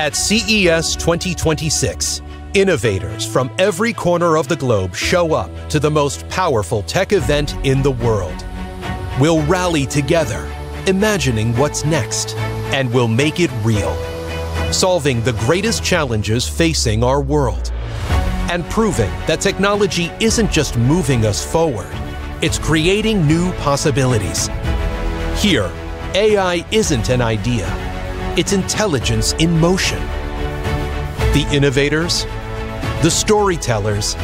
At CES 2026, innovators from every corner of the globe show up to the most powerful tech event in the world. We'll rally together, imagining what's next, and we'll make it real, solving the greatest challenges facing our world and proving that technology isn't just moving us forward. It's creating new possibilities. Here, AI isn't an idea. It's intelligence in motion. The innovators, the storytellers,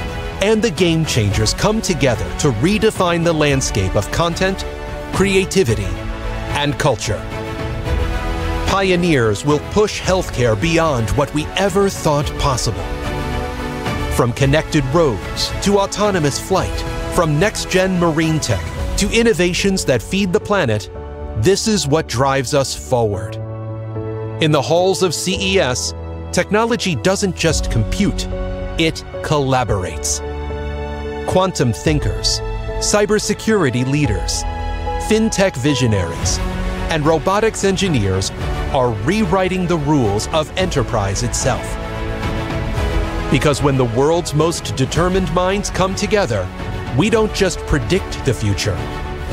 and the game-changers come together to redefine the landscape of content, creativity, and culture. Pioneers will push healthcare beyond what we ever thought possible. From connected roads to autonomous flight, from next-gen marine tech to innovations that feed the planet, this is what drives us forward. In the halls of CES, technology doesn't just compute. It collaborates. Quantum thinkers, cybersecurity leaders, fintech visionaries, and robotics engineers are rewriting the rules of enterprise itself. Because when the world's most determined minds come together, we don't just predict the future.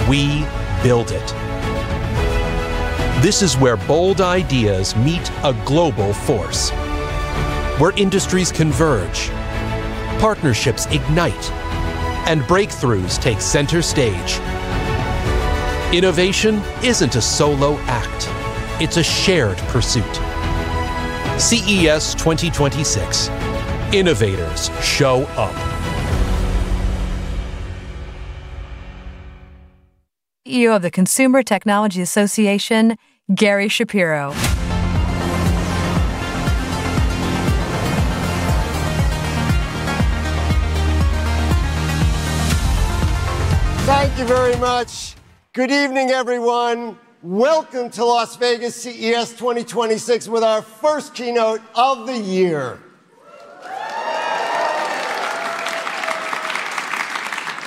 We build it. This is where bold ideas meet a global force, where industries converge, partnerships ignite, and breakthroughs take center stage. Innovation isn't a solo act. It's a shared pursuit. CES 2026, innovators show up. CEO of the Consumer Technology Association, Gary Shapiro. Thank you very much. Good evening, everyone. Welcome to Las Vegas CES 2026 with our first keynote of the year.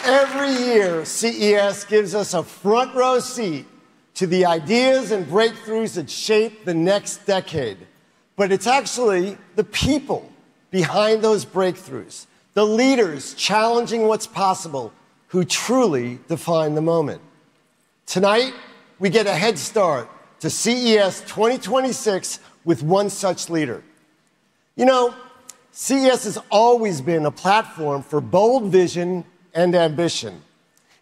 Every year, CES gives us a front-row seat to the ideas and breakthroughs that shape the next decade, but it's actually the people behind those breakthroughs, the leaders challenging what's possible, who truly define the moment. Tonight, we get a head start to CES 2026 with one such leader. You know, CES has always been a platform for bold vision and ambition.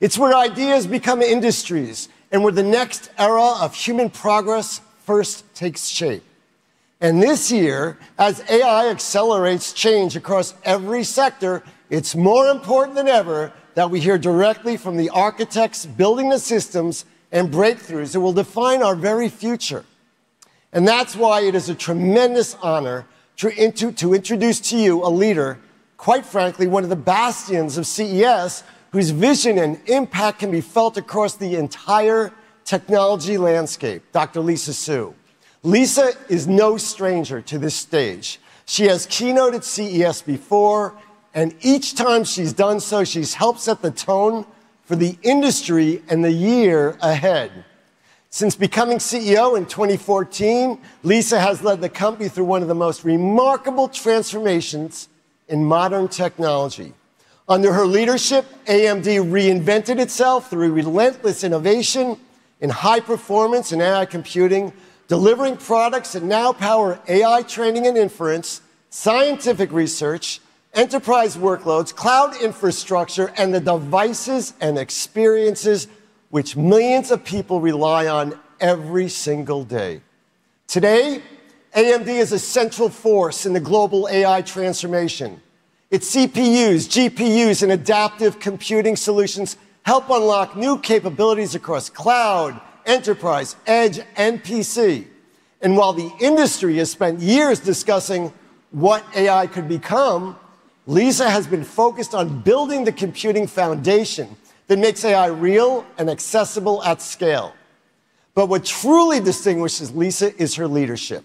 It's where ideas become industries and where the next era of human progress first takes shape. And this year, as AI accelerates change across every sector, it's more important than ever that we hear directly from the architects building the systems and breakthroughs that will define our very future. And that's why it is a tremendous honor to introduce to you a leader, quite frankly, one of the bastions of CES whose vision and impact can be felt across the entire technology landscape, Dr. Lisa Su. Lisa is no stranger to this stage. She has keynoted CES before, and each time she's done so, she's helped set the tone for the industry and the year ahead. Since becoming CEO in 2014, Lisa has led the company through one of the most remarkable transformations in modern technology. Under her leadership, AMD reinvented itself through relentless innovation in high performance and AI computing, delivering products that now power AI training and inference, scientific research, enterprise workloads, cloud infrastructure, and the devices and experiences which millions of people rely on every single day. Today, AMD is a central force in the global AI transformation. Its CPUs, GPUs, and adaptive computing solutions help unlock new capabilities across cloud, enterprise, edge, and PC. And while the industry has spent years discussing what AI could become, Lisa has been focused on building the computing foundation that makes AI real and accessible at scale. But what truly distinguishes Lisa is her leadership.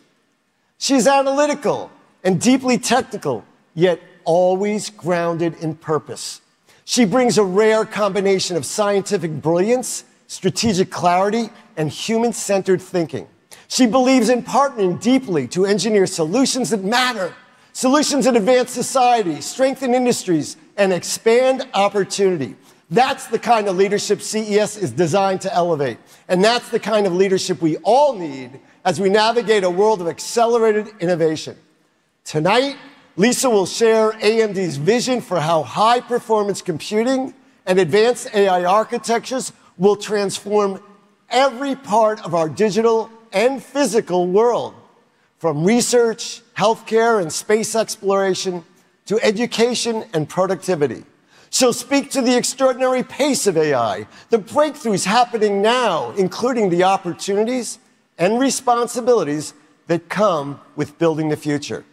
She's analytical and deeply technical, yet always grounded in purpose. She brings a rare combination of scientific brilliance, strategic clarity, and human-centered thinking. She believes in partnering deeply to engineer solutions that matter, solutions that advance society, strengthen industries, and expand opportunity. That's the kind of leadership CES is designed to elevate, and that's the kind of leadership we all need as we navigate a world of accelerated innovation. Tonight, Lisa will share AMD's vision for how high-performance computing and advanced AI architectures will transform every part of our digital and physical world, from research, healthcare, and space exploration to education and productivity. So speak to the extraordinary pace of AI, the breakthroughs happening now, including the opportunities and responsibilities that come with building the future.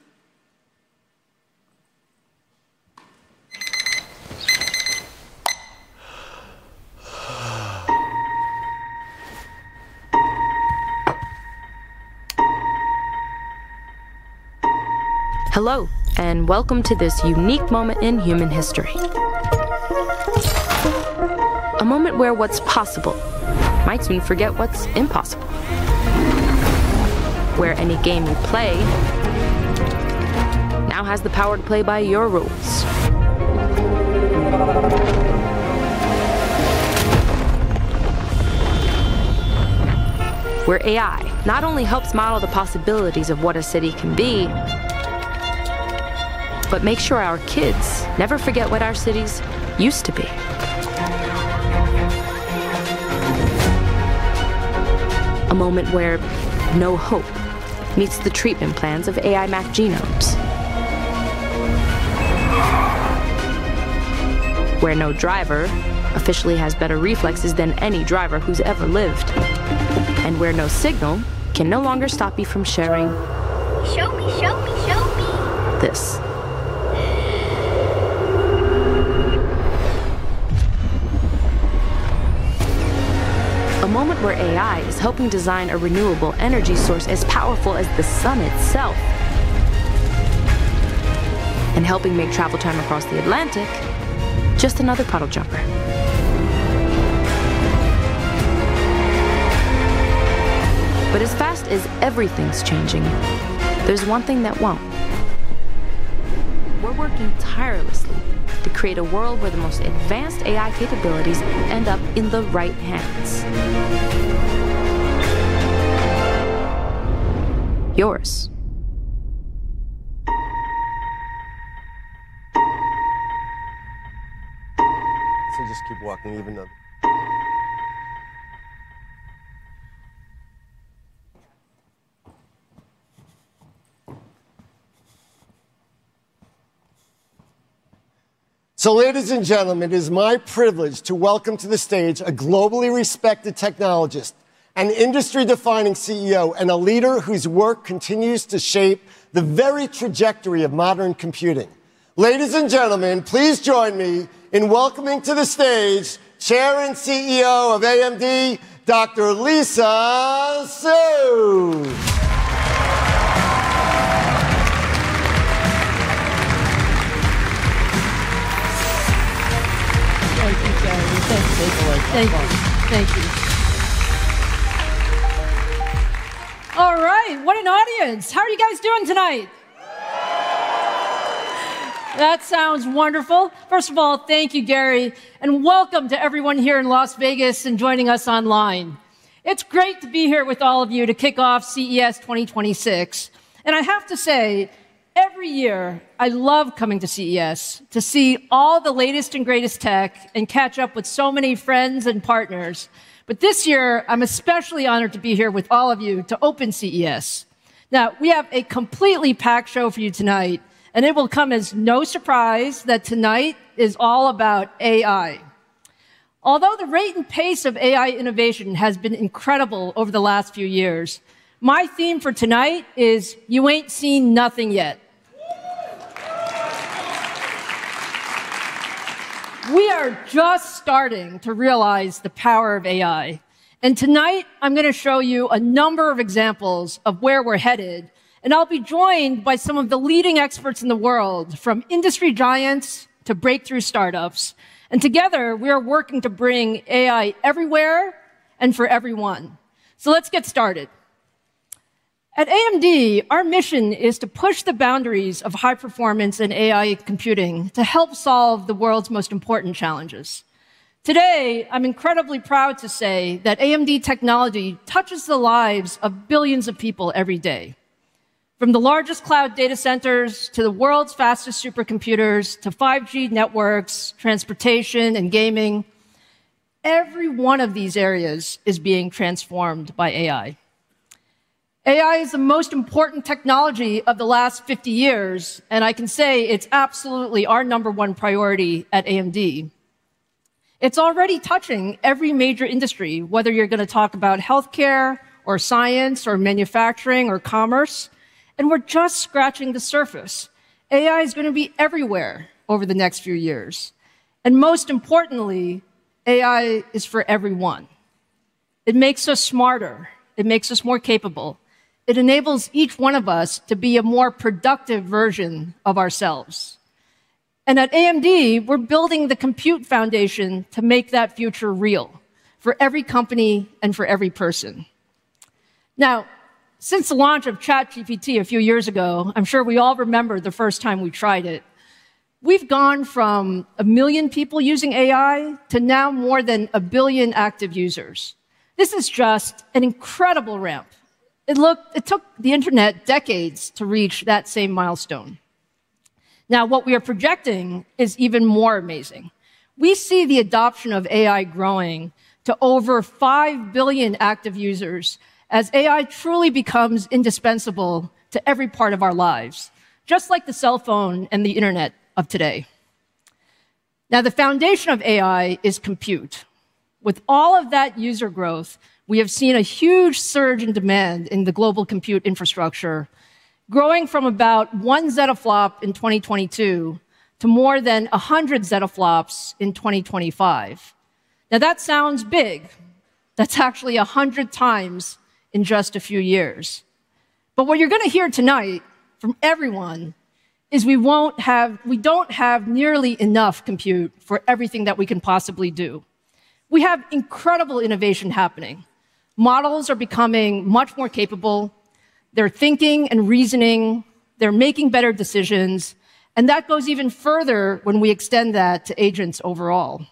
Hello, and welcome to this unique moment in human history. A moment where what's possible might soon forget what's impossible. Where any game you play now has the power to play by your rules. Where AI not only helps model the possibilities of what a city can be, but makes sure our kids never forget what our cities used to be. A moment where new hope meets the treatment plans of AI-mapped genomes. Where no driver officially has better reflexes than any driver who's ever lived. And where no signal can no longer stop you from sharing. Show me, show me, show me. This. A moment where AI is helping design a renewable energy source as powerful as the sun itself and helping make travel time across the Atlantic just another puddle jumper. But as fast as everything's changing, there's one thing that won't. We're working tirelessly to create a world where the most advanced AI capabilities end up in the right hands. Yours. So, just keep walking even though. Ladies and gentlemen, it is my privilege to welcome to the stage a globally respected technologist, an industry-defining CEO, and a leader whose work continues to shape the very trajectory of modern computing. Ladies and gentlemen, please join me in welcoming to the stage Chair and CEO of AMD, Dr. Lisa Su. Thank you, Gary. Thank you. Thank you. All right, what an audience. How are you guys doing tonight? That sounds wonderful. First of all, thank you, Gary, and welcome to everyone here in Las Vegas and joining us online. It's great to be here with all of you to kick off CES 2026. And I have to say, every year, I love coming to CES to see all the latest and greatest tech and catch up with so many friends and partners. But this year, I'm especially honored to be here with all of you to open CES. Now, we have a completely packed show for you tonight, and it will come as no surprise that tonight is all about AI. Although the rate and pace of AI innovation has been incredible over the last few years, my theme for tonight is, you ain't seen nothing yet. We are just starting to realize the power of AI. And tonight, I'm going to show you a number of examples of where we're headed, and I'll be joined by some of the leading experts in the world, from industry giants to breakthrough startups. And together, we are working to bring AI everywhere and for everyone. So let's get started. At AMD, our mission is to push the boundaries of high performance in AI computing to help solve the world's most important challenges. Today, I'm incredibly proud to say that AMD technology touches the lives of billions of people every day. From the largest cloud data centers to the world's fastest supercomputers to 5G networks, transportation, and gaming, every one of these areas is being transformed by AI. AI is the most important technology of the last 50 years, and I can say it's absolutely our number one priority at AMD. It's already touching every major industry, whether you're going to talk about healthcare or science or manufacturing or commerce, and we're just scratching the surface. AI is going to be everywhere over the next few years. And most importantly, AI is for everyone. It makes us smarter. It makes us more capable. It enables each one of us to be a more productive version of ourselves. And at AMD, we're building the compute foundation to make that future real for every company and for every person. Now, since the launch of ChatGPT a few years ago, I'm sure we all remember the first time we tried it. We've gone from a million people using AI to now more than a billion active users. This is just an incredible ramp. It took the internet decades to reach that same milestone. Now, what we are projecting is even more amazing. We see the adoption of AI growing to over five billion active users as AI truly becomes indispensable to every part of our lives, just like the cell phone and the internet of today. Now, the foundation of AI is compute. With all of that user growth, we have seen a huge surge in demand in the global compute infrastructure, growing from about one zettaflop in 2022 to more than 100 zettaflops in 2025. Now, that sounds big. That's actually 100x in just a few years, but what you're going to hear tonight from everyone is we don't have nearly enough compute for everything that we can possibly do. We have incredible innovation happening. Models are becoming much more capable. They're thinking and reasoning. They're making better decisions, and that goes even further when we extend that to agents overall.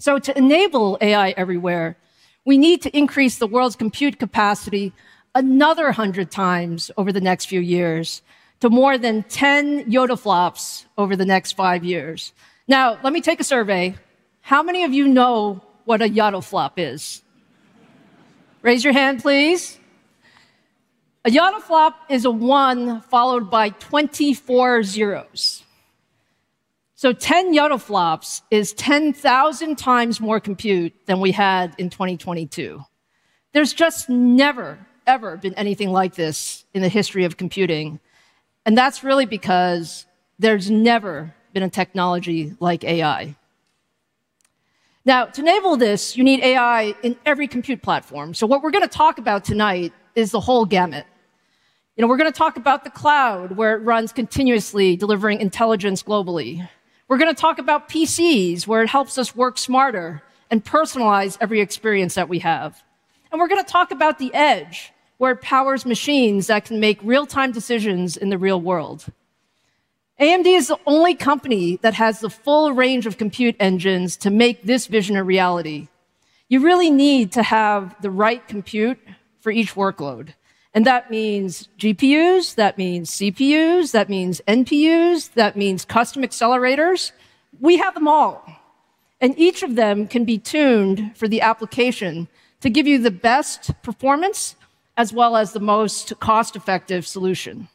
So to enable AI everywhere, we need to increase the world's compute capacity another 100 times over the next few years to more than 10 yottaflops over the next five years. Now, let me take a survey. How many of you know what a yottaflop is? Raise your hand, please. A yottaflop is a one followed by 24 zeroes. So 10 yottaflops is is 10,000x more compute than we had in 2022. There's just never, ever been anything like this in the history of computing. And that's really because there's never been a technology like AI. Now, to enable this, you need AI in every compute platform. So what we're going to talk about tonight is the whole gamut. We're going to talk about the cloud, where it runs continuously, delivering intelligence globally. We're going to talk about PCs, where it helps us work smarter and personalize every experience that we have. And we're going to talk about the edge, where it powers machines that can make real-time decisions in the real world. AMD is the only company that has the full range of compute engines to make this vision a reality. You really need to have the right compute for each workload. And that means GPUs. That means CPUs. That means NPUs. That means custom accelerators. We have them all. And each of them can be tuned for the application to give you the best performance as well as the most cost-effective solution.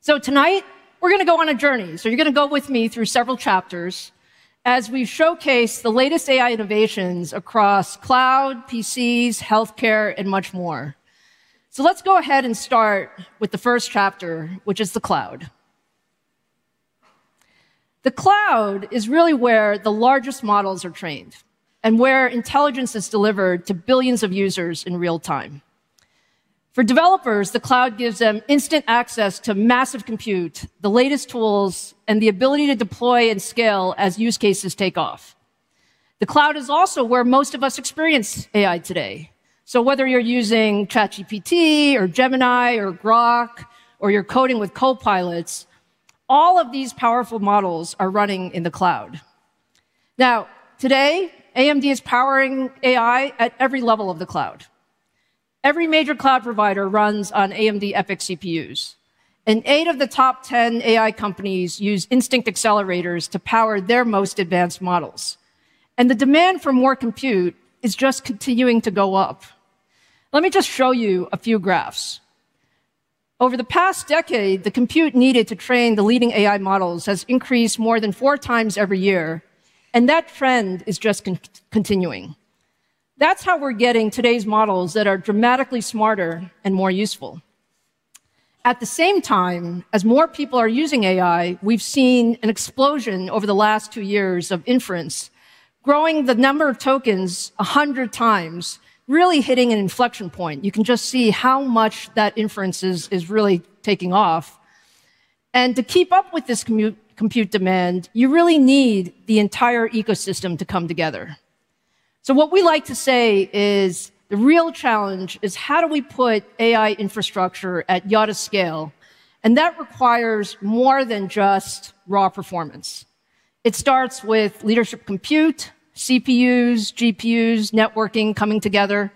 So tonight, we're going to go on a journey. So you're going to go with me through several chapters as we showcase the latest AI innovations across cloud, PCs, healthcare, and much more. So let's go ahead and start with the first chapter, which is the cloud. The cloud is really where the largest models are trained and where intelligence is delivered to billions of users in real time. For developers, the cloud gives them instant access to massive compute, the latest tools, and the ability to deploy and scale as use cases take off. The cloud is also where most of us experience AI today. So whether you're using ChatGPT or Gemini or Grok or you're coding with Copilots, all of these powerful models are running in the cloud. Now, today, AMD is powering AI at every level of the cloud. Every major cloud provider runs on AMD EPYC CPUs. And eight of the top 10 AI companies use Instinct accelerators to power their most advanced models. And the demand for more compute is just continuing to go up. Let me just show you a few graphs. Over the past decade, the compute needed to train the leading AI models has increased more than four times every year, and that trend is just continuing. That's how we're getting today's models that are dramatically smarter and more useful. At the same time, as more people are using AI, we've seen an explosion over the last two years of inference, growing the number of tokens 100x, really hitting an inflection point. You can just see how much that inference is really taking off. And to keep up with this compute demand, you really need the entire ecosystem to come together. So what we like to say is the real challenge is how do we put AI infrastructure at yotta scale? And that requires more than just raw performance. It starts with leadership compute, CPUs, GPUs, networking coming together.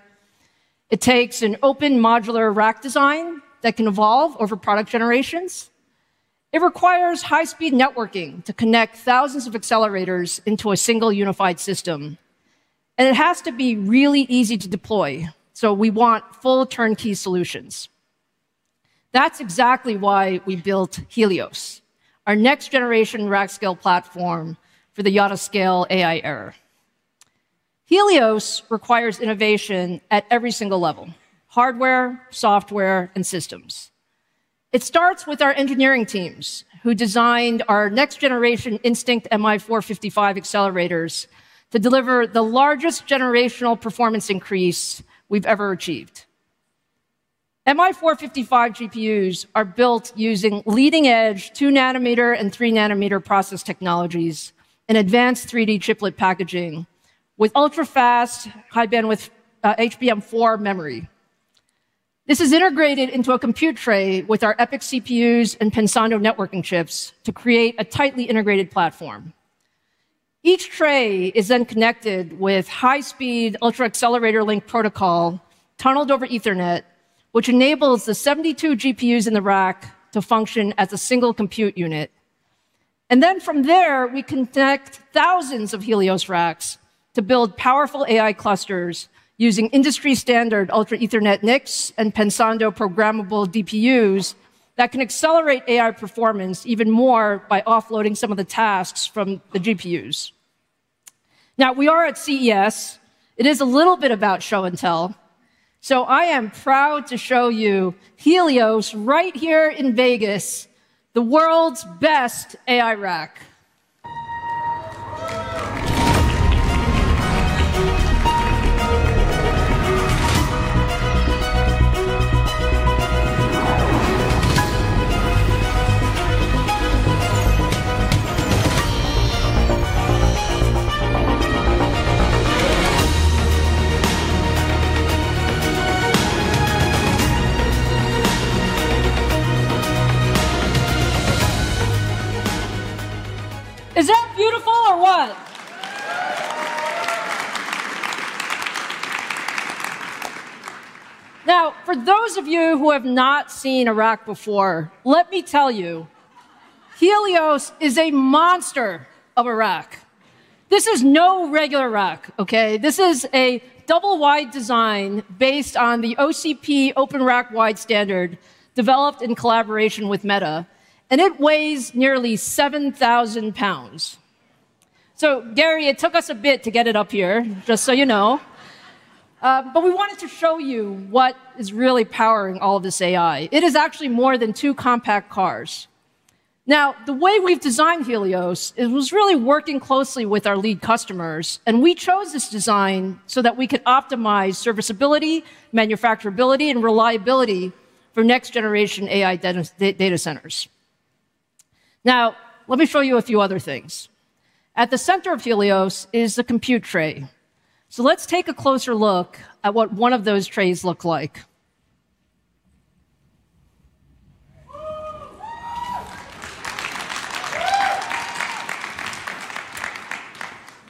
It takes an open modular rack design that can evolve over product generations. It requires high-speed networking to connect thousands of accelerators into a single unified system. And it has to be really easy to deploy. So we want full turnkey solutions. That's exactly why we built Helios, our next-generation rack scale platform for the yotta scale AI era. Helios requires innovation at every single level: hardware, software, and systems. It starts with our engineering teams who designed our next-generation Instinct MI455 accelerators to deliver the largest generational performance increase we've ever achieved. MI455 GPUs are built using leading-edge 2-nanometer and 3-nanometer process technologies and advanced 3D chiplet packaging with ultra-fast high-bandwidth HBM4 memory. This is integrated into a compute tray with our EPYC CPUs and Pensando networking chips to create a tightly integrated platform. Each tray is then connected with high-speed Ultra Accelerator Link protocol tunneled over Ethernet, which enables the 72 GPUs in the rack to function as a single compute unit, and then from there, we connect thousands of Helios racks to build powerful AI clusters using industry-standard Ultra Ethernet NICs and Pensando programmable DPUs that can accelerate AI performance even more by offloading some of the tasks from the GPUs. Now, we are at CES. It is a little bit about show and tell, so I am proud to show you Helios right here in Vegas, the world's best AI rack. Is that beautiful or what? Now, for those of you who have not seen a rack before, let me tell you, Helios is a monster of a rack. This is no regular rack, okay? This is a double-wide design based on the OCP Open Rack Wide standard developed in collaboration with Meta. It weighs nearly 7,000 lbs. Gary, it took us a bit to get it up here, just so you know. We wanted to show you what is really powering all of this AI. It is actually more than two compact cars. Now, the way we've designed Helios, it was really working closely with our lead customers. We chose this design so that we could optimize serviceability, manufacturability, and reliability for next-generation AI data centers. Now, let me show you a few other things. At the center of Helios is the compute tray. Let's take a closer look at what one of those trays looks like.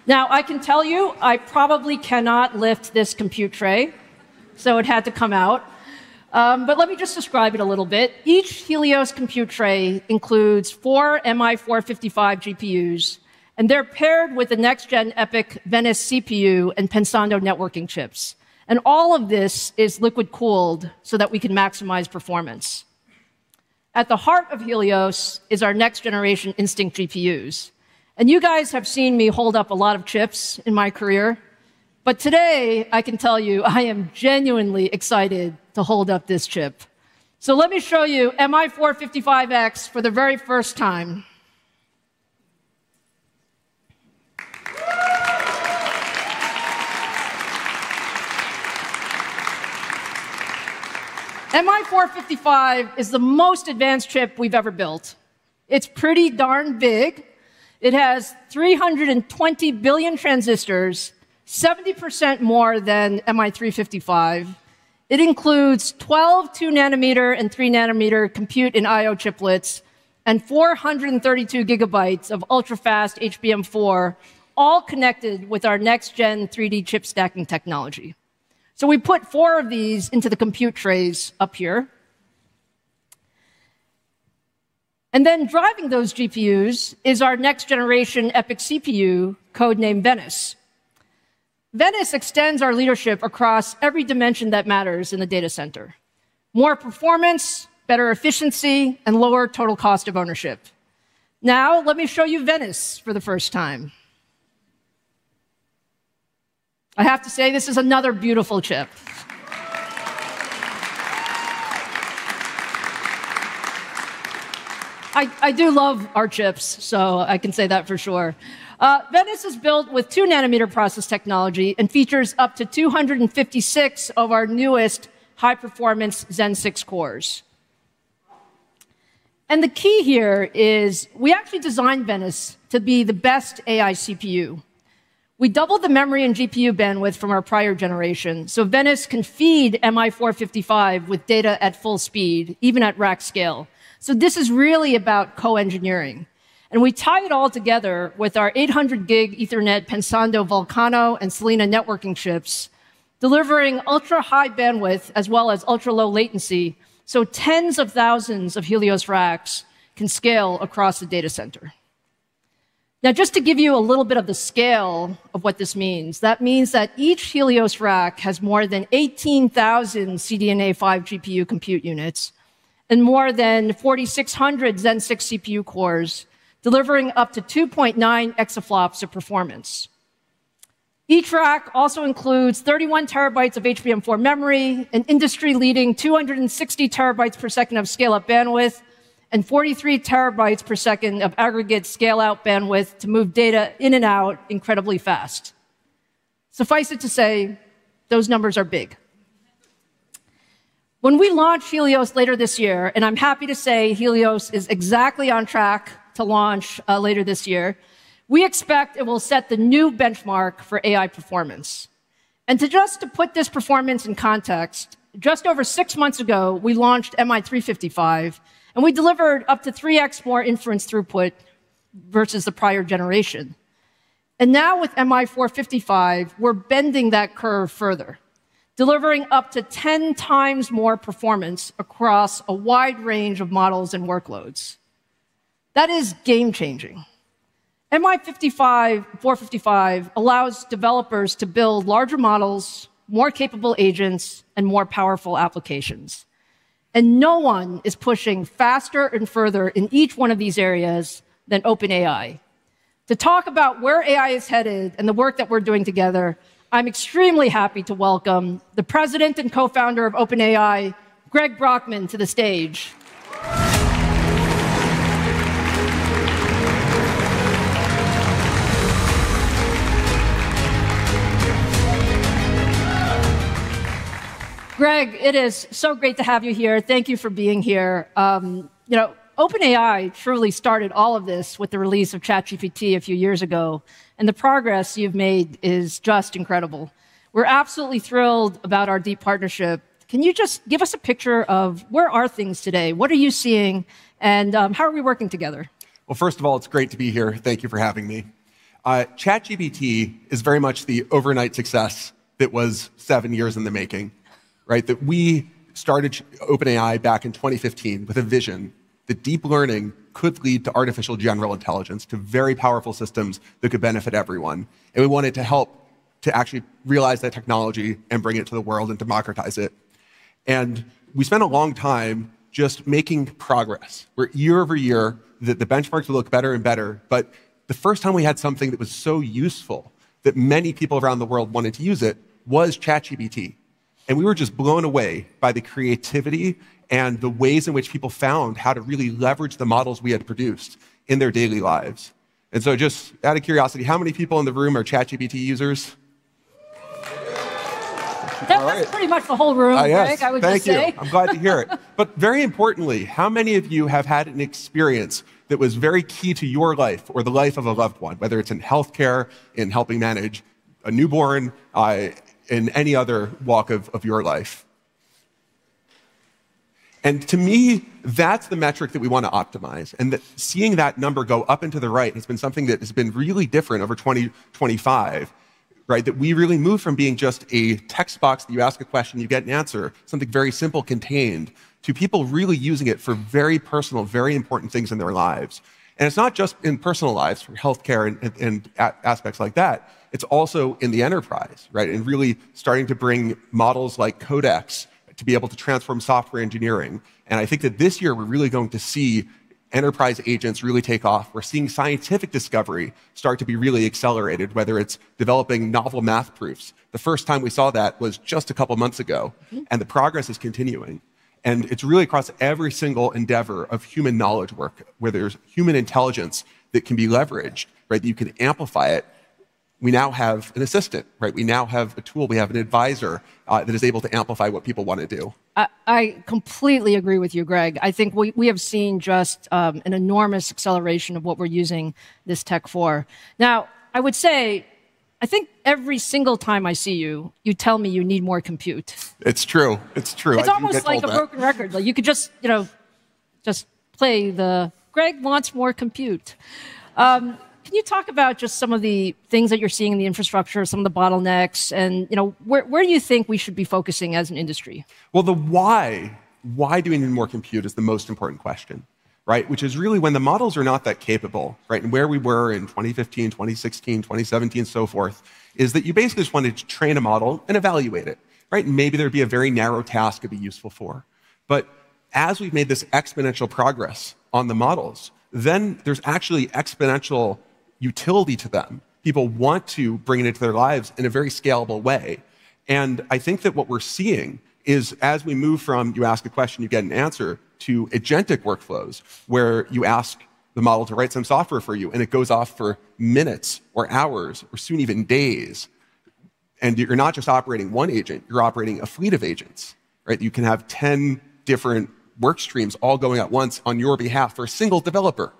Now, I can tell you, I probably cannot lift this compute tray, so it had to come out. Let me just describe it a little bit. Each Helios compute tray includes four MI455 GPUs, and they're paired with the next-gen EPYC Venice CPU and Pensando networking chips. And all of this is liquid-cooled so that we can maximize performance. At the heart of Helios is our next-generation Instinct GPUs. And you guys have seen me hold up a lot of chips in my career. But today, I can tell you, I am genuinely excited to hold up this chip. So let me show you MI455X for the very first time. MI455 is the most advanced chip we've ever built. It's pretty darn big. It has 320 billion transistors, 70% more than MI355. It includes 12 2-nanometer and 3-nanometer compute and I/O chiplets and 432 gigabytes of ultra-fast HBM4, all connected with our next-gen 3D chip stacking technology. So we put four of these into the compute trays up here. And then driving those GPUs is our next-generation EPYC CPU, code-named Venice. Venice extends our leadership across every dimension that matters in the data center: more performance, better efficiency, and lower total cost of ownership. Now, let me show you Venice for the first time. I have to say, this is another beautiful chip. I do love our chips, so I can say that for sure. Venice is built with 2-nanometer process technology and features up to 256 of our newest high-performance Zen 6 cores. And the key here is we actually designed Venice to be the best AI CPU. We doubled the memory and GPU bandwidth from our prior generation so Venice can feed MI455 with data at full speed, even at rack scale. So this is really about co-engineering. And we tie it all together with our 800-gig Ethernet Pensando Vulcano and Salina networking chips, delivering ultra-high bandwidth as well as ultra-low latency so tens of thousands of Helios racks can scale across the data center. Now, just to give you a little bit of the scale of what this means, that means that each Helios rack has more than 18,000 CDNA 5 GPU compute units and more than 4,600 Zen 6 CPU cores, delivering up to 2.9 exaflops of performance. Each rack also includes 31 terabytes of HBM4 memory, an industry-leading 260 terabytes per second of scale-up bandwidth, and 43 terabytes per second of aggregate scale-out bandwidth to move data in and out incredibly fast. Suffice it to say, those numbers are big. When we launch Helios later this year, and I'm happy to say Helios is exactly on track to launch later this year, we expect it will set the new benchmark for AI performance. Just to put this performance in context, just over six months ago, we launched MI355, and we delivered up to 3x more inference throughput versus the prior generation. Now, with MI455, we're bending that curve further, delivering up to 10x more performance across a wide range of models and workloads. That is game-changing. MI455 allows developers to build larger models, more capable agents, and more powerful applications. No one is pushing faster and further in each one of these areas than OpenAI. To talk about where AI is headed and the work that we're doing together, I'm extremely happy to welcome the president and co-founder of OpenAI, Greg Brockman, to the stage. Greg, it is so great to have you here. Thank you for being here. OpenAI truly started all of this with the release of ChatGPT a few years ago. And the progress you've made is just incredible. We're absolutely thrilled about our deep partnership. Can you just give us a picture of where are things today? What are you seeing? And how are we working together? Well, first of all, it's great to be here. Thank you for having me. ChatGPT is very much the overnight success that was seven years in the making, right? We started OpenAI back in 2015 with a vision that deep learning could lead to artificial general intelligence, to very powerful systems that could benefit everyone. And we wanted to help to actually realize that technology and bring it to the world and democratize it. And we spent a long time just making progress. Year over year, the benchmarks look better and better. But the first time we had something that was so useful that many people around the world wanted to use it was ChatGPT. And we were just blown away by the creativity and the ways in which people found how to really leverage the models we had produced in their daily lives. And so just out of curiosity, how many people in the room are ChatGPT users? That was pretty much the whole room, Greg. I would just say. Thank you. I'm glad to hear it. But very importantly, how many of you have had an experience that was very key to your life or the life of a loved one, whether it's in healthcare, in helping manage a newborn, in any other walk of your life? And to me, that's the metric that we want to optimize. Seeing that number go up and to the right has been something that has been really different over 2025, right? That we really moved from being just a text box that you ask a question, you get an answer, something very simple contained, to people really using it for very personal, very important things in their lives. And it's not just in personal lives, healthcare and aspects like that. It's also in the enterprise, right? And really starting to bring models like Codex to be able to transform software engineering. And I think that this year we're really going to see enterprise agents really take off. We're seeing scientific discovery start to be really accelerated, whether it's developing novel math proofs. The first time we saw that was just a couple of months ago. And the progress is continuing. And it's really across every single endeavor of human knowledge work, where there's human intelligence that can be leveraged, right? You can amplify it. We now have an assistant, right? We now have a tool. We have an advisor that is able to amplify what people want to do. I completely agree with you, Greg. I think we have seen just an enormous acceleration of what we're using this tech for. Now, I would say, I think every single time I see you, you tell me you need more compute. It's true. It's true. It's almost like a broken record. You could just play the "Greg wants more compute." Can you talk about just some of the things that you're seeing in the infrastructure, some of the bottlenecks, and where do you think we should be focusing as an industry? The why, why do we need more compute is the most important question, right? Which is really when the models are not that capable, right? And where we were in 2015, 2016, 2017, and so forth, is that you basically just wanted to train a model and evaluate it, right? And maybe there'd be a very narrow task it'd be useful for. But as we've made this exponential progress on the models, then there's actually exponential utility to them. People want to bring it into their lives in a very scalable way. And I think that what we're seeing is as we move from you ask a question, you get an answer to agentic workflows where you ask the model to write some software for you, and it goes off for minutes or hours or soon even days. And you're not just operating one agent. You're operating a fleet of agents, right? You can have 10 different work streams all going at once on your behalf for a single developer,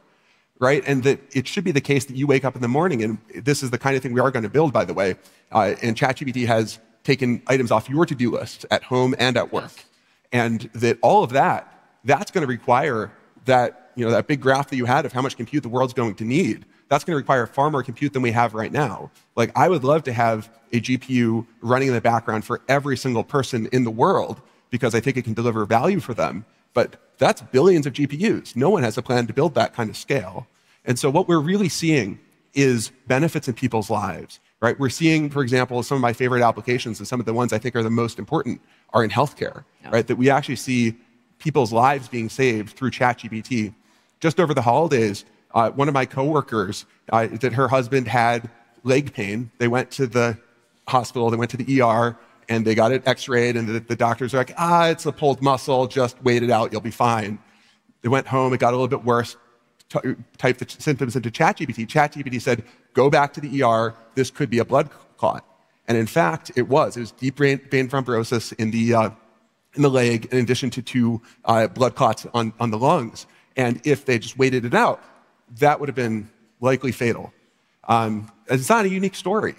right? And that it should be the case that you wake up in the morning, and this is the kind of thing we are going to build, by the way. And ChatGPT has taken items off your to-do list at home and at work. And that all of that, that's going to require that big graph that you had of how much compute the world's going to need. That's going to require far more compute than we have right now. Like, I would love to have a GPU running in the background for every single person in the world because I think it can deliver value for them. But that's billions of GPUs. No one has a plan to build that kind of scale. What we're really seeing is benefits in people's lives, right? We're seeing, for example, some of my favorite applications and some of the ones I think are the most important are in healthcare, right? That we actually see people's lives being saved through ChatGPT. Just over the holidays, one of my coworkers, that her husband had leg pain, they went to the hospital, and they got it x-rayed. And the doctors were like, "It's a pulled muscle. Just wait it out. You'll be fine." They went home. It got a little bit worse. They typed the symptoms into ChatGPT. ChatGPT said, "Go back to the hospital. This could be a blood clot." And in fact, it was. It was deep vein thrombosis in the leg in addition to two blood clots on the lungs. If they just waited it out, that would have been likely fatal. It's not a unique story.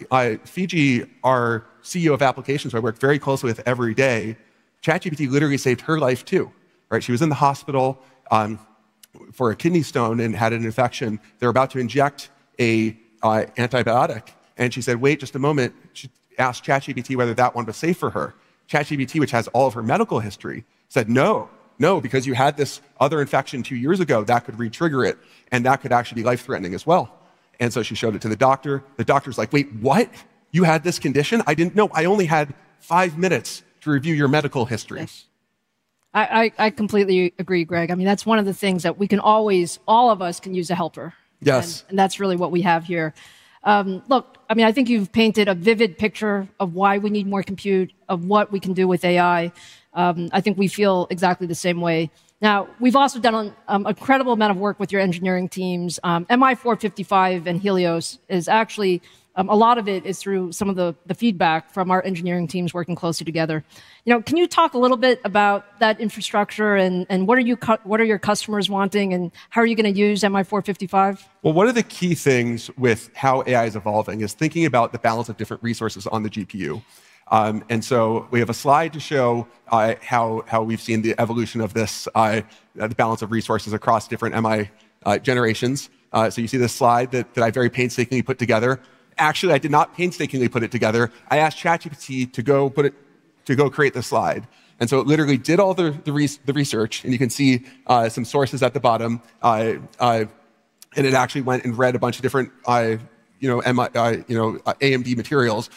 Fidji, our CEO of applications I work very closely with every day, ChatGPT literally saved her life too, right? She was in the hospital for a kidney stone and had an infection. They were about to inject an antibiotic. And she said, "Wait, just a moment." She asked ChatGPT whether that one was safe for her. ChatGPT, which has all of her medical history, said, "No, no, because you had this other infection two years ago that could retrigger it, and that could actually be life-threatening as well." And so she showed it to the doctor. The doctor's like, "Wait, what? You had this condition? I didn't know. I only had five minutes to review your medical history." I completely agree, Greg. I mean, that's one of the things that we can always, all of us can use a helper. Yes, and that's really what we have here. Look, I mean, I think you've painted a vivid picture of why we need more compute, of what we can do with AI. I think we feel exactly the same way. Now, we've also done an incredible amount of work with your engineering teams. MI455 and Helios is actually, a lot of it is through some of the feedback from our engineering teams working closely together. Can you talk a little bit about that infrastructure and what are your customers wanting and how are you going to use MI455? Well, one of the key things with how AI is evolving is thinking about the balance of different resources on the GPU. And so we have a slide to show how we've seen the evolution of this, the balance of resources across different MI generations. So you see this slide that I very painstakingly put together. Actually, I did not painstakingly put it together. I asked ChatGPT to go create the slide. And so it literally did all the research. And you can see some sources at the bottom. And it actually went and read a bunch of different AMD materials,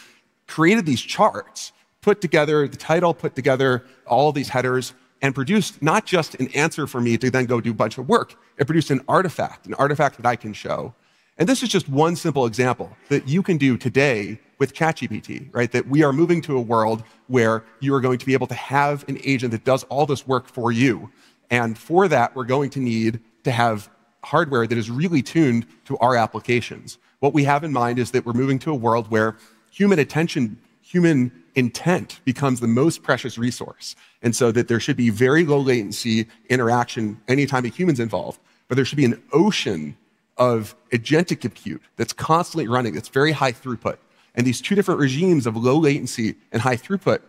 created these charts, put together the title, put together all these headers, and produced not just an answer for me to then go do a bunch of work. It produced an artifact, an artifact that I can show. And this is just one simple example that you can do today with ChatGPT, right? That we are moving to a world where you are going to be able to have an agent that does all this work for you. And for that, we're going to need to have hardware that is really tuned to our applications. What we have in mind is that we're moving to a world where human attention, human intent becomes the most precious resource. And so that there should be very low latency interaction anytime a human's involved, but there should be an ocean of agentic compute that's constantly running, that's very high throughput. And these two different regimes of low latency and high throughput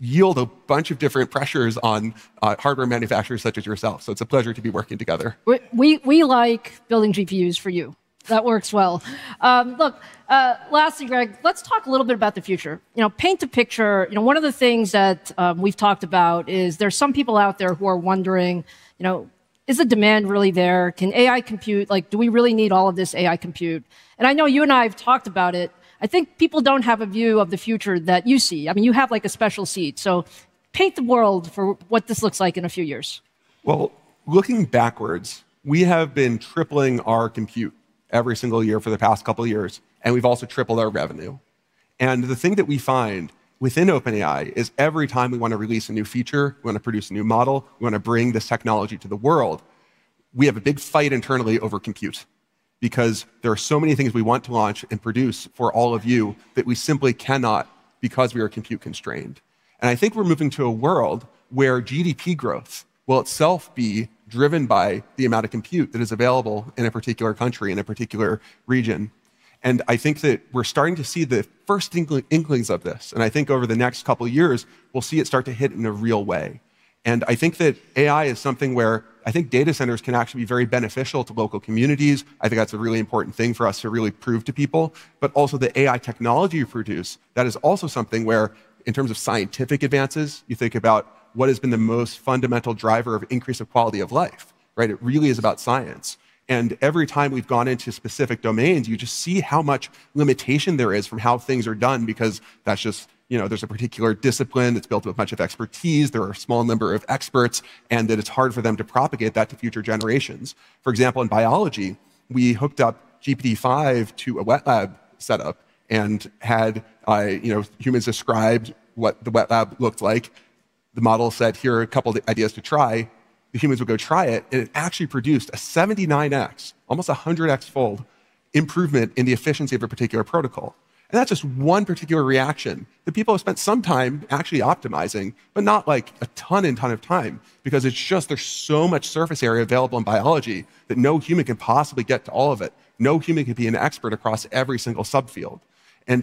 yield a bunch of different pressures on hardware manufacturers such as yourself. So it's a pleasure to be working together. We like building GPUs for you. That works well. Look, lastly, Greg, let's talk a little bit about the future. Paint a picture. One of the things that we've talked about is there's some people out there who are wondering, is the demand really there? Can AI compute? Do we really need all of this AI compute? And I know you and I have talked about it. I think people don't have a view of the future that you see. I mean, you have like a special seat. So paint the world for what this looks like in a few years. Well, looking backwards, we have been tripling our compute every single year for the past couple of years. And we've also tripled our revenue. The thing that we find within OpenAI is every time we want to release a new feature, we want to produce a new model, we want to bring this technology to the world, we have a big fight internally over compute because there are so many things we want to launch and produce for all of you that we simply cannot because we are compute constrained. I think we're moving to a world where GDP growth will itself be driven by the amount of compute that is available in a particular country, in a particular region. I think that we're starting to see the first inklings of this. I think over the next couple of years, we'll see it start to hit in a real way. I think that AI is something where I think data centers can actually be very beneficial to local communities. I think that's a really important thing for us to really prove to people, but also the AI technology you produce, that is also something where in terms of scientific advances, you think about what has been the most fundamental driver of increase of quality of life, right? It really is about science, and every time we've gone into specific domains, you just see how much limitation there is from how things are done because that's just, there's a particular discipline that's built with much of expertise. There are a small number of experts and that it's hard for them to propagate that to future generations. For example, in biology, we hooked up GPT-5 to a wet lab setup and had humans describe what the wet lab looked like. The model said, "Here are a couple of ideas to try." The humans would go try it. It actually produced a 79x, almost a 100x fold improvement in the efficiency of a particular protocol. That's just one particular reaction that people have spent some time actually optimizing, but not like a ton and ton of time because it's just there's so much surface area available in biology that no human can possibly get to all of it. No human could be an expert across every single subfield.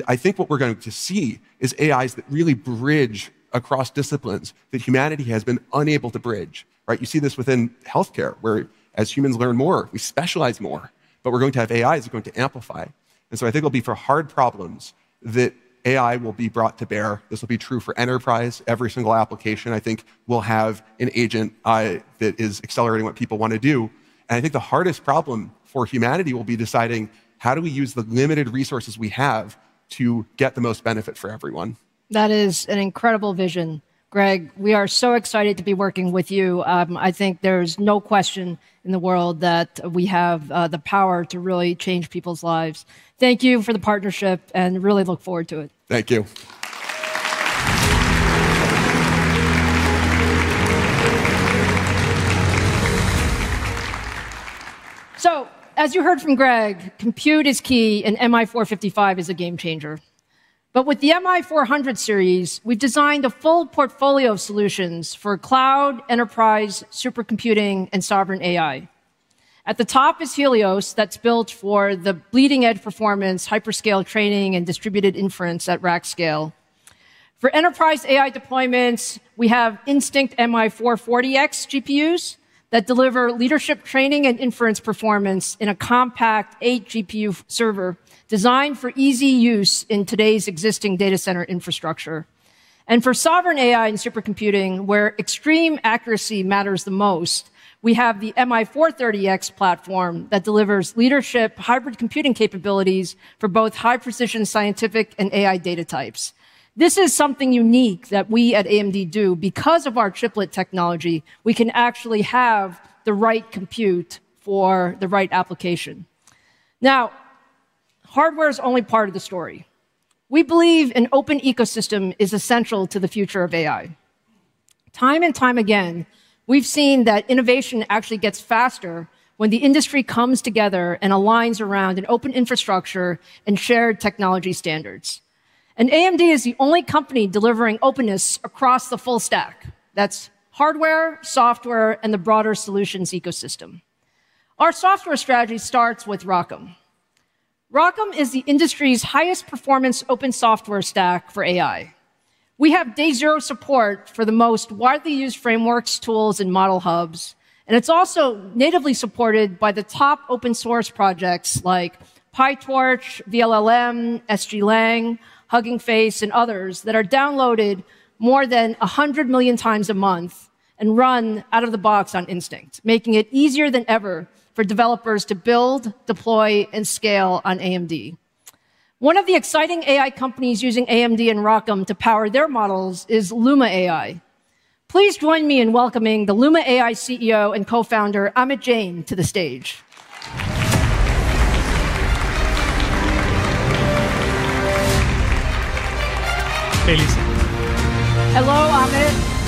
I think what we're going to see is AIs that really bridge across disciplines that humanity has been unable to bridge, right? You see this within healthcare where as humans learn more, we specialize more, but we're going to have AIs that are going to amplify. I think it'll be for hard problems that AI will be brought to bear. This will be true for enterprise. Every single application, I think, will have an agent that is accelerating what people want to do. And I think the hardest problem for humanity will be deciding how do we use the limited resources we have to get the most benefit for everyone. That is an incredible vision. Greg, we are so excited to be working with you. I think there's no question in the world that we have the power to really change people's lives. Thank you for the partnership and really look forward to it. Thank you. So as you heard from Greg, compute is key and MI455 is a game changer. But with the MI400 series, we've designed a full portfolio of solutions for cloud, enterprise, supercomputing, and sovereign AI. At the top is Helios that's built for the bleeding-edge performance, hyperscale training, and distributed inference at rack scale. For enterprise AI deployments, we have Instinct MI440X GPUs that deliver leadership training and inference performance in a compact eight GPU server designed for easy use in today's existing data center infrastructure, and for sovereign AI and supercomputing, where extreme accuracy matters the most, we have the MI430X platform that delivers leadership hybrid computing capabilities for both high-precision scientific and AI data types. This is something unique that we at AMD do because of our chiplet technology. We can actually have the right compute for the right application. Now, hardware is only part of the story. We believe an open ecosystem is essential to the future of AI. Time and time again, we've seen that innovation actually gets faster when the industry comes together and aligns around an open infrastructure and shared technology standards, and AMD is the only company delivering openness across the full stack. That's hardware, software, and the broader solutions ecosystem. Our software strategy starts with ROCm. ROCm is the industry's highest performance open software stack for AI. We have day zero support for the most widely used frameworks, tools, and model hubs. And it's also natively supported by the top open source projects like PyTorch, vLLM, SGLang, Hugging Face, and others that are downloaded more than 100 million times a month and run out of the box on Instinct, making it easier than ever for developers to build, deploy, and scale on AMD. One of the exciting AI companies using AMD and ROCm to power their models is Luma AI. Please join me in welcoming the Luma AI CEO and co-founder, Amit Jain, to the stage. Hello, Amit.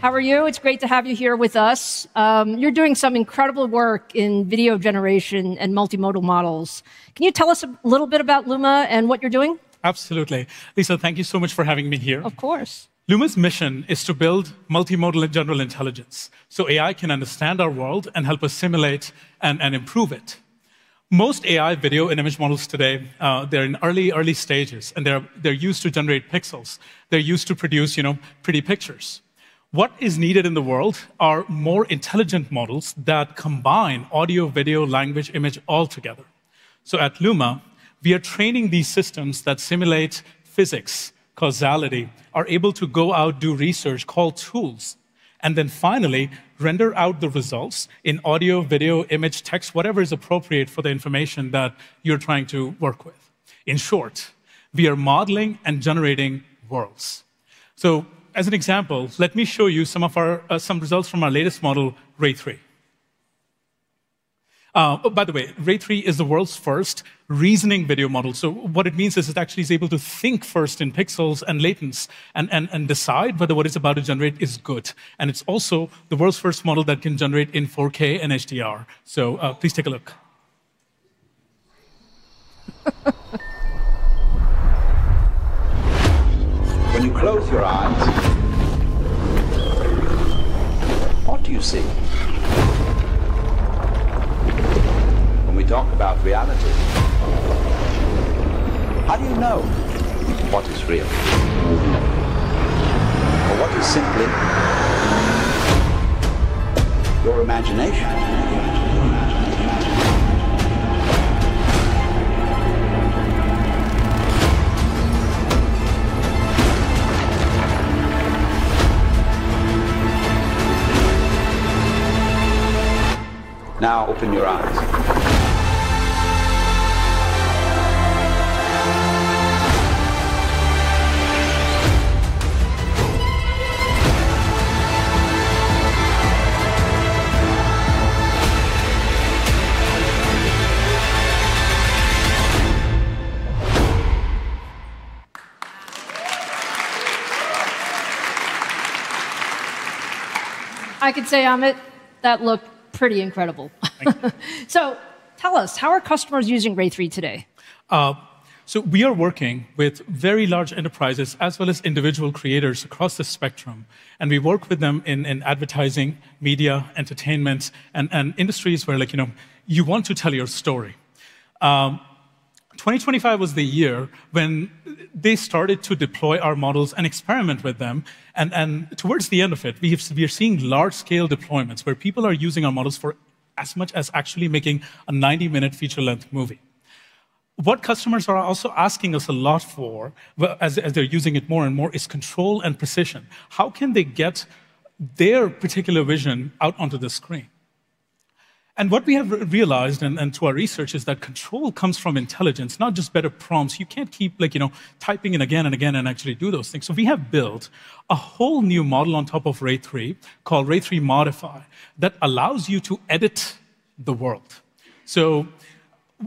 How are you? It's great to have you here with us. You're doing some incredible work in video generation and multimodal models. Can you tell us a little bit about Luma and what you're doing? Absolutely. Lisa, thank you so much for having me here. Of course. Luma's mission is to build multimodal and general intelligence so AI can understand our world and help us simulate and improve it. Most AI video and image models today, they're in early, early stages, and they're used to generate pixels. They're used to produce pretty pictures. What is needed in the world are more intelligent models that combine audio, video, language, image all together. So at Luma, we are training these systems that simulate physics, causality, are able to go out, do research, call tools, and then finally render out the results in audio, video, image, text, whatever is appropriate for the information that you're trying to work with. In short, we are modeling and generating worlds. So as an example, let me show you some results from our latest model, Ray 3. By the way, Ray 3 is the world's first reasoning video model. So what it means is it actually is able to think first in pixels and latents and decide whether what it's about to generate is good. And it's also the world's first model that can generate in 4K and HDR. So please take a look. When you close your eyes, what do you see? When we talk about reality, how do you know what is real or what is simply your imagination? Now open your eyes. I can say, Amit, that looked pretty incredible. So tell us, how are customers using Ray 3 today? So we are working with very large enterprises as well as individual creators across the spectrum. And we work with them in advertising, media, entertainment, and industries where you want to tell your story. 2025 was the year when they started to deploy our models and experiment with them. And towards the end of it, we are seeing large-scale deployments where people are using our models for as much as actually making a 90-minute feature-length movie. What customers are also asking us a lot for as they're using it more and more is control and precision. How can they get their particular vision out onto the screen? And what we have realized and to our research is that control comes from intelligence, not just better prompts. You can't keep typing in again and again and actually do those things. So we have built a whole new model on top of Ray 3 called Ray 3 Modify that allows you to edit the world. So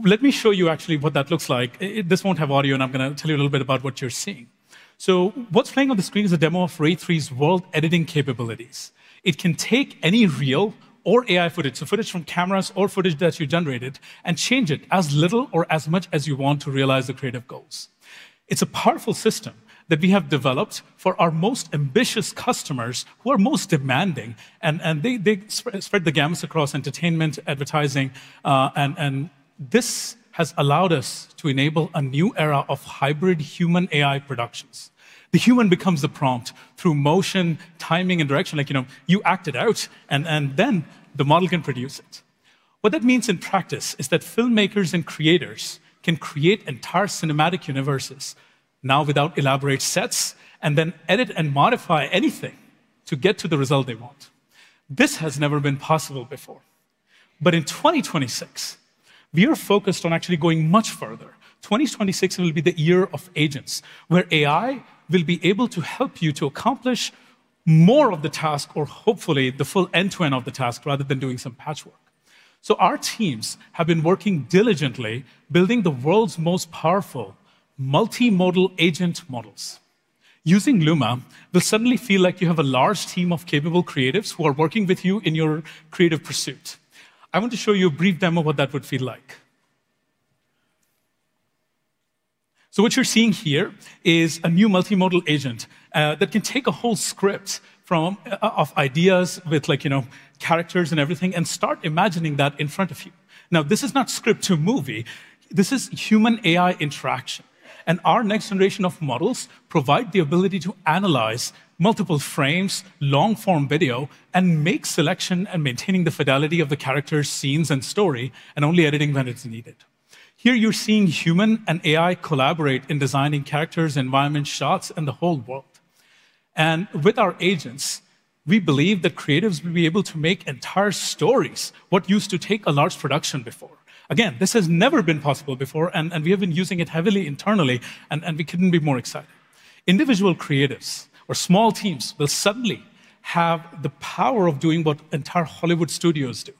let me show you actually what that looks like. This won't have audio, and I'm going to tell you a little bit about what you're seeing. So what's playing on the screen is a demo of Ray 3's world editing capabilities. It can take any real or AI footage, so footage from cameras or footage that you generated, and change it as little or as much as you want to realize the creative goals. It's a powerful system that we have developed for our most ambitious customers who are most demanding, and they spread the gamuts across entertainment, advertising, and this has allowed us to enable a new era of hybrid human-AI productions. The human becomes the prompt through motion, timing, and direction. You act it out, and then the model can produce it. What that means in practice is that filmmakers and creators can create entire cinematic universes now without elaborate sets and then edit and modify anything to get to the result they want. This has never been possible before. But in 2026, we are focused on actually going much further. 2026 will be the year of agents where AI will be able to help you to accomplish more of the task or hopefully the full end-to-end of the task rather than doing some patchwork. So our teams have been working diligently building the world's most powerful multimodal agent models. Using Luma, you'll suddenly feel like you have a large team of capable creatives who are working with you in your creative pursuit. I want to show you a brief demo of what that would feel like. So what you're seeing here is a new multimodal agent that can take a whole script of ideas with characters and everything and start imagining that in front of you. Now, this is not script to movie. This is human-AI interaction. Our next generation of models provide the ability to analyze multiple frames, long-form video, and make selection and maintaining the fidelity of the characters, scenes, and story, and only editing when it's needed. Here you're seeing human and AI collaborate in designing characters, environments, shots, and the whole world. With our agents, we believe that creatives will be able to make entire stories, what used to take a large production before. Again, this has never been possible before, and we have been using it heavily internally, and we couldn't be more excited. Individual creatives or small teams will suddenly have the power of doing what entire Hollywood studios do.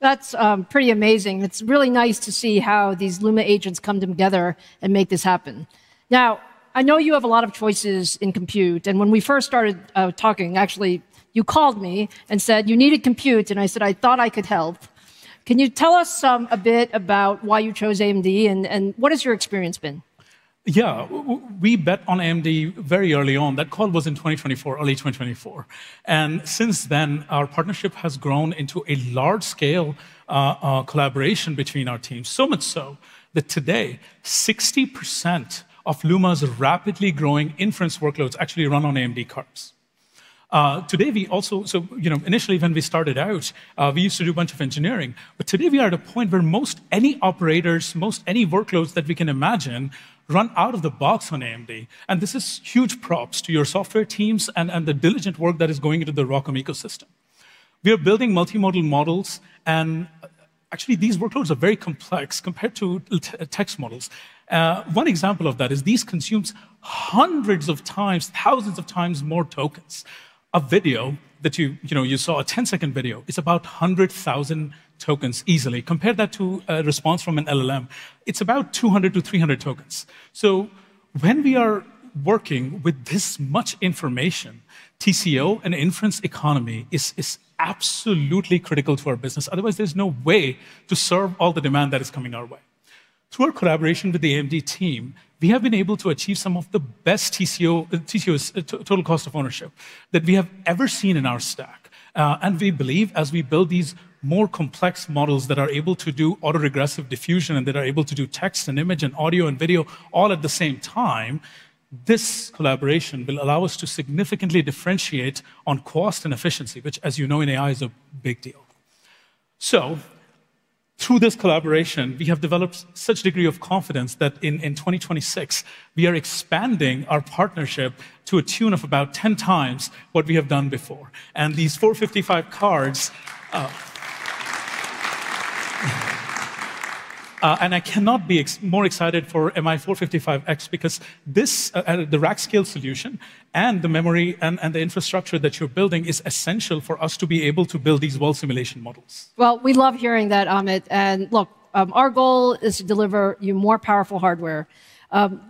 That's pretty amazing. It's really nice to see how these Luma agents come together and make this happen. Now, I know you have a lot of choices in compute, and when we first started talking, actually, you called me and said you needed compute, and I said, "I thought I could help." Can you tell us a bit about why you chose AMD and what has your experience been? Yeah, we bet on AMD very early on. That call was in 2024, early 2024, and since then, our partnership has grown into a large-scale collaboration between our teams, so much so that today, 60% of Luma's rapidly growing inference workloads actually run on AMD cards. Today, we also, so initially, when we started out, we used to do a bunch of engineering. But today, we are at a point where most any operators, most any workloads that we can imagine run out of the box on AMD. And this is huge props to your software teams and the diligent work that is going into the ROCm ecosystem. We are building multimodal models, and actually, these workloads are very complex compared to text models. One example of that is these consume hundreds of times, thousands of times more tokens of video that you saw, a 10-second video. It's about 100,000 tokens easily. Compare that to a response from an LLM. It's about 200-300 tokens. So when we are working with this much information, TCO and inference economy is absolutely critical to our business. Otherwise, there's no way to serve all the demand that is coming our way. Through our collaboration with the AMD team, we have been able to achieve some of the best TCO, total cost of ownership, that we have ever seen in our stack, and we believe as we build these more complex models that are able to do autoregressive diffusion and that are able to do text and image and audio and video all at the same time, this collaboration will allow us to significantly differentiate on cost and efficiency, which, as you know, in AI is a big deal, so through this collaboration, we have developed such a degree of confidence that in 2026, we are expanding our partnership to a tune of about 10x what we have done before. And these 455 cards and I cannot be more excited for MI455X because the rack scale solution and the memory and the infrastructure that you're building is essential for us to be able to build these world simulation models. Well, we love hearing that, Amit. And look, our goal is to deliver you more powerful hardware.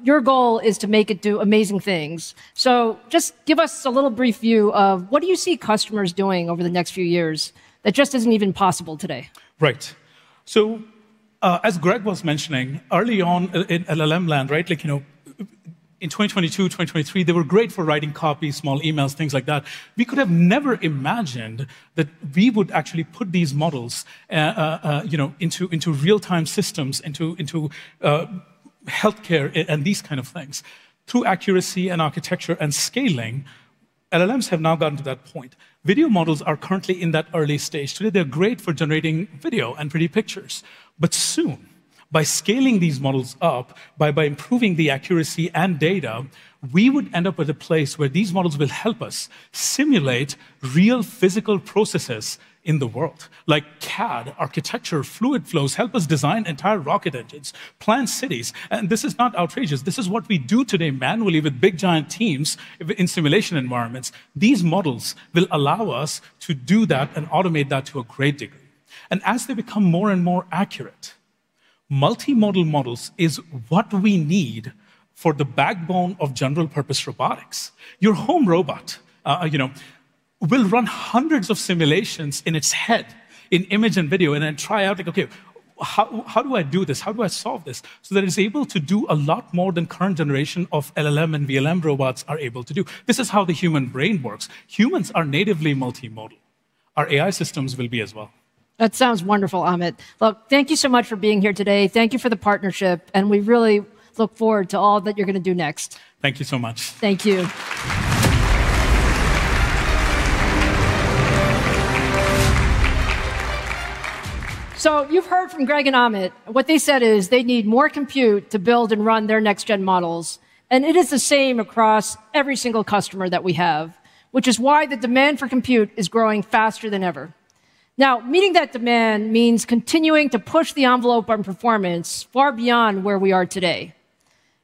Your goal is to make it do amazing things. So just give us a little brief view of what do you see customers doing over the next few years that just isn't even possible today? Right. So as Greg was mentioning, early on in LLM land, right, in 2022, 2023, they were great for writing copies, small emails, things like that. We could have never imagined that we would actually put these models into real-time systems, into healthcare and these kinds of things. Through accuracy and architecture and scaling, LLMs have now gotten to that point. Video models are currently in that early stage. Today, they're great for generating video and pretty pictures. But soon, by scaling these models up, by improving the accuracy and data, we would end up at a place where these models will help us simulate real physical processes in the world, like CAD architecture, fluid flows, help us design entire rocket engines, plan cities. And this is not outrageous. This is what we do today manually with big giant teams in simulation environments. These models will allow us to do that and automate that to a great degree. And as they become more and more accurate, multimodal models is what we need for the backbone of general-purpose robotics. Your home robot will run hundreds of simulations in its head in image and video and then try out, "Okay, how do I do this? How do I solve this?" So that it's able to do a lot more than current generation of LLM and VLM robots are able to do. This is how the human brain works. Humans are natively multimodal. Our AI systems will be as well. That sounds wonderful, Amit. Look, thank you so much for being here today. Thank you for the partnership. And we really look forward to all that you're going to do next. Thank you so much. Thank you. So you've heard from Greg and Amit. What they said is they need more compute to build and run their next-gen models. It is the same across every single customer that we have, which is why the demand for compute is growing faster than ever. Now, meeting that demand means continuing to push the envelope on performance far beyond where we are today.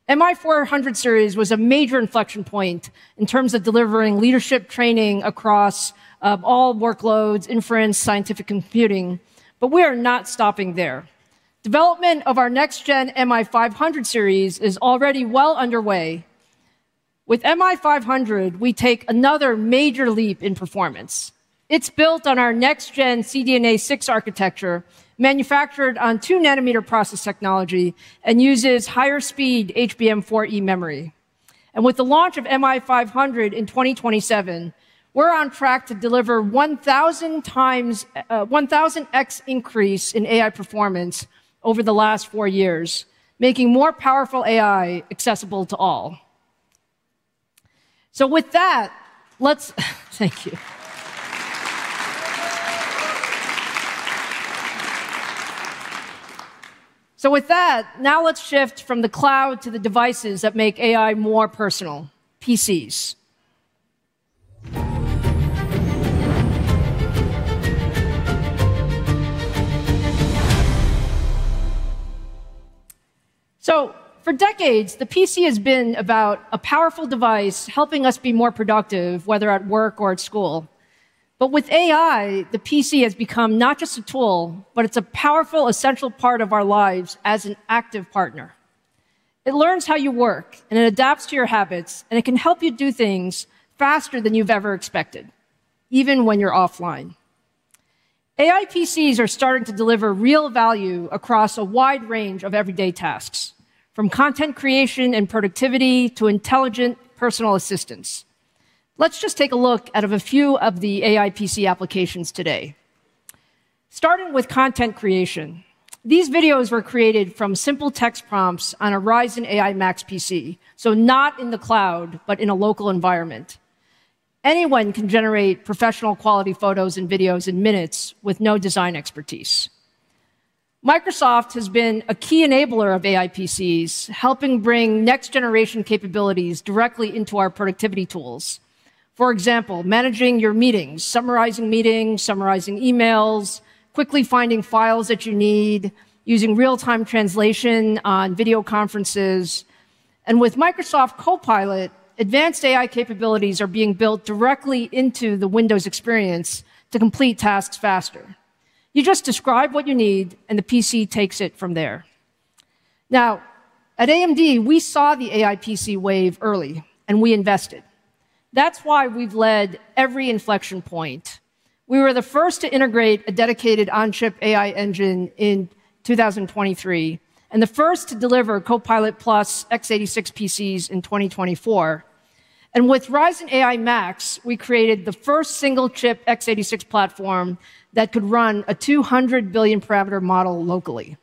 MI400 series was a major inflection point in terms of delivering leadership training across all workloads, inference, scientific computing. We are not stopping there. Development of our next-gen MI500 series is already well underway. With MI500, we take another major leap in performance. It's built on our next-gen CDNA 6 architecture, manufactured on 2-nanometer process technology, and uses higher-speed HBM4E memory. With the launch of MI500 in 2027, we're on track to deliver 1,000x increase in AI performance over the last four years, making more powerful AI accessible to all. With that, let's thank you. So with that, now let's shift from the cloud to the devices that make AI more personal: PCs. So for decades, the PC has been about a powerful device helping us be more productive, whether at work or at school. But with AI, the PC has become not just a tool, but it's a powerful, essential part of our lives as an active partner. It learns how you work, and it adapts to your habits, and it can help you do things faster than you've ever expected, even when you're offline. AI PCs are starting to deliver real value across a wide range of everyday tasks, from content creation and productivity to intelligent personal assistants. Let's just take a look at a few of the AI PC applications today. Starting with content creation, these videos were created from simple text prompts on a Ryzen AI Max PC, so not in the cloud, but in a local environment. Anyone can generate professional-quality photos and videos in minutes with no design expertise. Microsoft has been a key enabler of AI PCs, helping bring next-generation capabilities directly into our productivity tools. For example, managing your meetings, summarizing meetings, summarizing emails, quickly finding files that you need, using real-time translation on video conferences, and with Microsoft Copilot, advanced AI capabilities are being built directly into the Windows experience to complete tasks faster. You just describe what you need, and the PC takes it from there. Now, at AMD, we saw the AI PC wave early, and we invested. That's why we've led every inflection point. We were the first to integrate a dedicated on-chip AI engine in 2023 and the first to deliver Copilot+ x86 PCs in 2024. And with Ryzen AI Max, we created the first single-chip x86 platform that could run a 200 billion parameter model locally.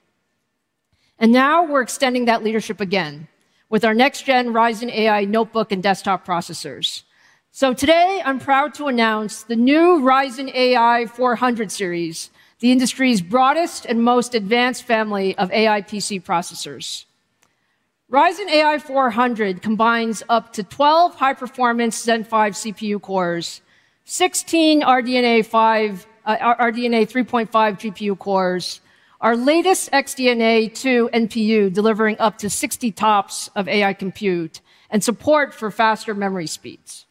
And now we're extending that leadership again with our next-gen Ryzen AI notebook and desktop processors. So today, I'm proud to announce the new Ryzen AI 400 Series, the industry's broadest and most advanced family of AI PC processors. Ryzen AI 400 combines up to 12 high-performance Zen 5 CPU cores, 16 RDNA 3.5 GPU cores, our latest XDNA 2 NPU delivering up to 60 TOPS of AI compute and support for faster memory speeds.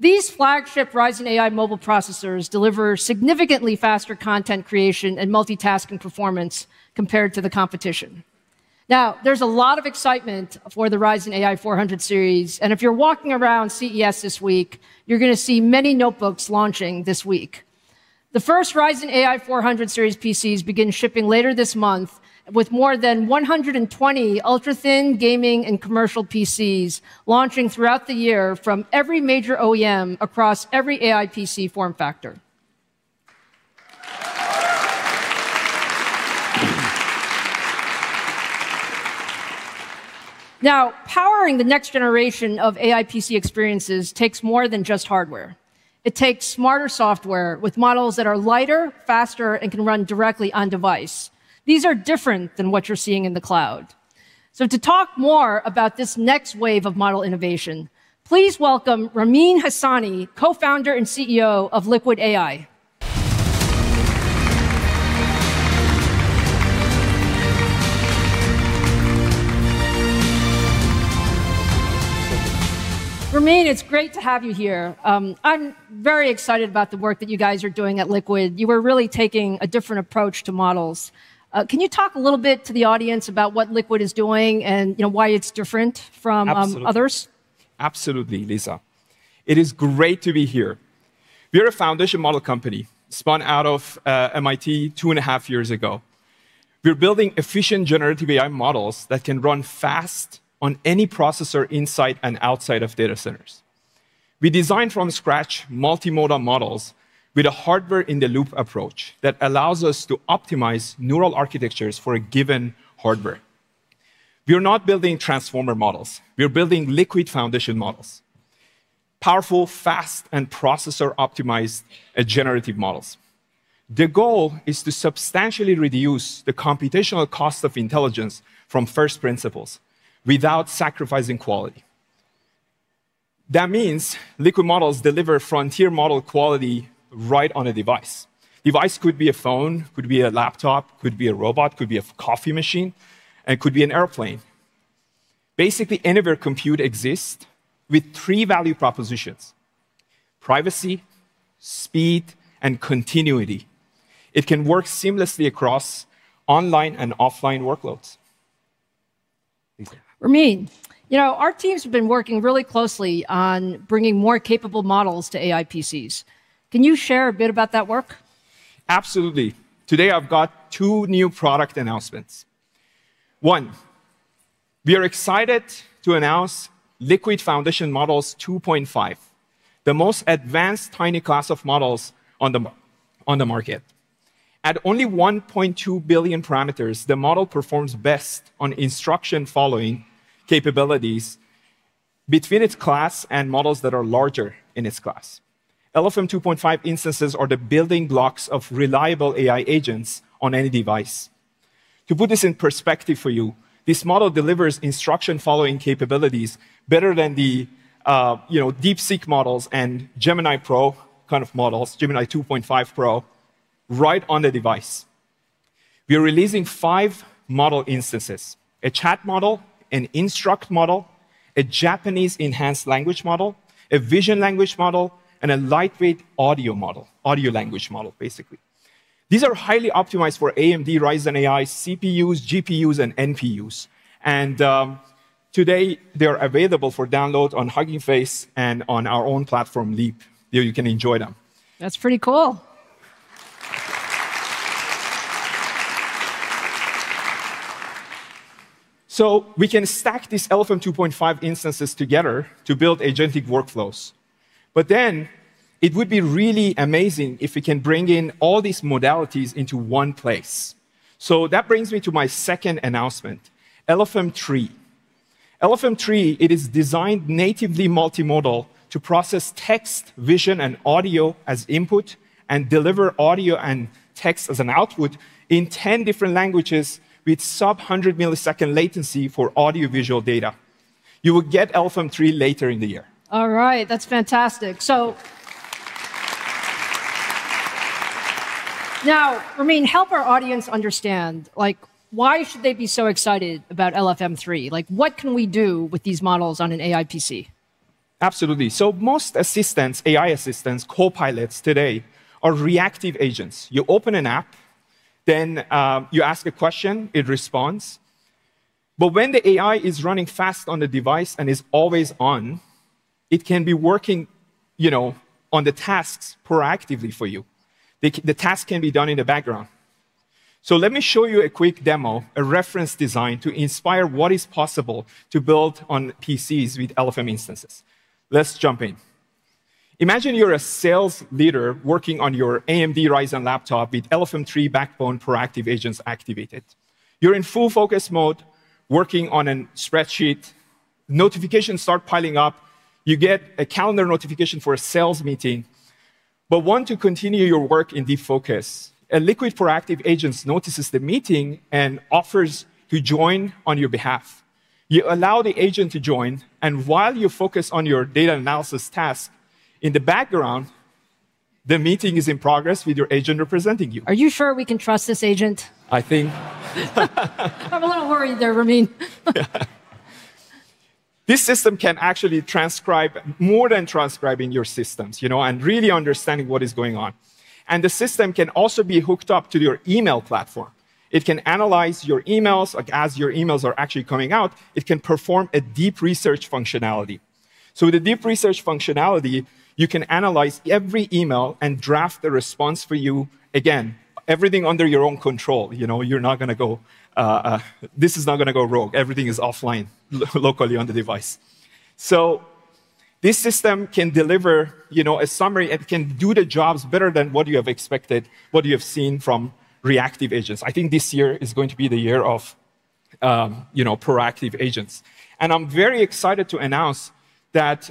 These flagship Ryzen AI mobile processors deliver significantly faster content creation and multitasking performance compared to the competition. Now, there's a lot of excitement for the Ryzen AI 400 Series. And if you're walking around CES this week, you're going to see many notebooks launching this week. The first Ryzen AI 400 Series PCs begin shipping later this month with more than 120 ultra-thin gaming and commercial PCs launching throughout the year from every major OEM across every AI PC form factor. Now, powering the next generation of AI PC experiences takes more than just hardware. It takes smarter software with models that are lighter, faster, and can run directly on-device. These are different than what you're seeing in the cloud. So to talk more about this next wave of model innovation, please welcome Ramin Hasani, Co-founder and CEO of Liquid AI. Ramin, it's great to have you here. I'm very excited about the work that you guys are doing at Liquid. You are really taking a different approach to models. Can you talk a little bit to the audience about what Liquid is doing and why it's different from others? Absolutely, Lisa. It is great to be here. We are a foundation model company spun out of MIT two and a half years ago. We're building efficient generative AI models that can run fast on any processor inside and outside of data centers. We design from scratch multimodal models with a hardware-in-the-loop approach that allows us to optimize neural architectures for a given hardware. We are not building transformer models. We are building liquid foundation models: powerful, fast, and processor-optimized generative models. The goal is to substantially reduce the computational cost of intelligence from first principles without sacrificing quality. That means liquid models deliver frontier model quality right on a device. The device could be a phone, could be a laptop, could be a robot, could be a coffee machine, and could be an airplane. Basically, any of your compute exists with three value propositions: privacy, speed, and continuity. It can work seamlessly across online and offline workloads. Ramin, our teams have been working really closely on bringing more capable models to AI PCs. Can you share a bit about that work? Absolutely. Today, I've got two new product announcements. One, we are excited to announce Liquid Foundation Models 2.5, the most advanced tiny class of models on the market. At only 1.2 billion parameters, the model performs best on instruction-following capabilities between its class and models that are larger in its class. LFM 2.5 instances are the building blocks of reliable AI agents on any device. To put this in perspective for you, this model delivers instruction-following capabilities better than the DeepSeek models and Gemini Pro kind of models, Gemini 2.5 Pro, right on the device. We are releasing five model instances: a chat model, an instruct model, a Japanese-enhanced language model, a vision language model, and a lightweight audio model, audio language model, basically. These are highly optimized for AMD Ryzen AI CPUs, GPUs, and NPUs. And today, they are available for download on Hugging Face and on our own platform, Leap, where you can enjoy them. That's pretty cool. So we can stack these LFM 2.5 instances together to build agentic workflows. But then it would be really amazing if we can bring in all these modalities into one place. So that brings me to my second announcement: LFM 3. LFM 3. It is designed natively multimodal to process text, vision, and audio as input and deliver audio and text as an output in 10 different languages with sub-100-millisecond latency for audio-visual data. You will get LFM 3 later in the year. All right. That's fantastic. So now, Ramin, help our audience understand, like, why should they be so excited about LFM 3? Like, what can we do with these models on an AI PC? Absolutely. So most assistants, AI assistants, Copilots today are reactive agents. You open an app, then you ask a question, it responds. But when the AI is running fast on the device and is always on, it can be working on the tasks proactively for you. The tasks can be done in the background. Let me show you a quick demo, a reference design to inspire what is possible to build on PCs with LFM instances. Let's jump in. Imagine you're a sales leader working on your AMD Ryzen laptop with LFM 3 backbone proactive agents activated. You're in full focus mode, working on a spreadsheet. Notifications start piling up. You get a calendar notification for a sales meeting. But you want to continue your work in deep focus. A Liquid proactive agent notices the meeting and offers to join on your behalf. You allow the agent to join. While you focus on your data analysis task in the background, the meeting is in progress with your agent representing you. Are you sure we can trust this agent? I think. I'm a little worried there, Ramin. This system can actually transcribe more than transcribing your systems and really understanding what is going on. The system can also be hooked up to your email platform. It can analyze your emails. Like, as your emails are actually coming out, it can perform a deep research functionality. With a deep research functionality, you can analyze every email and draft the response for you. Again, everything under your own control. You're not going to go, this is not going to go wrong. Everything is offline locally on the device. This system can deliver a summary and can do the jobs better than what you have expected, what you have seen from reactive agents. I think this year is going to be the year of proactive agents. I'm very excited to announce that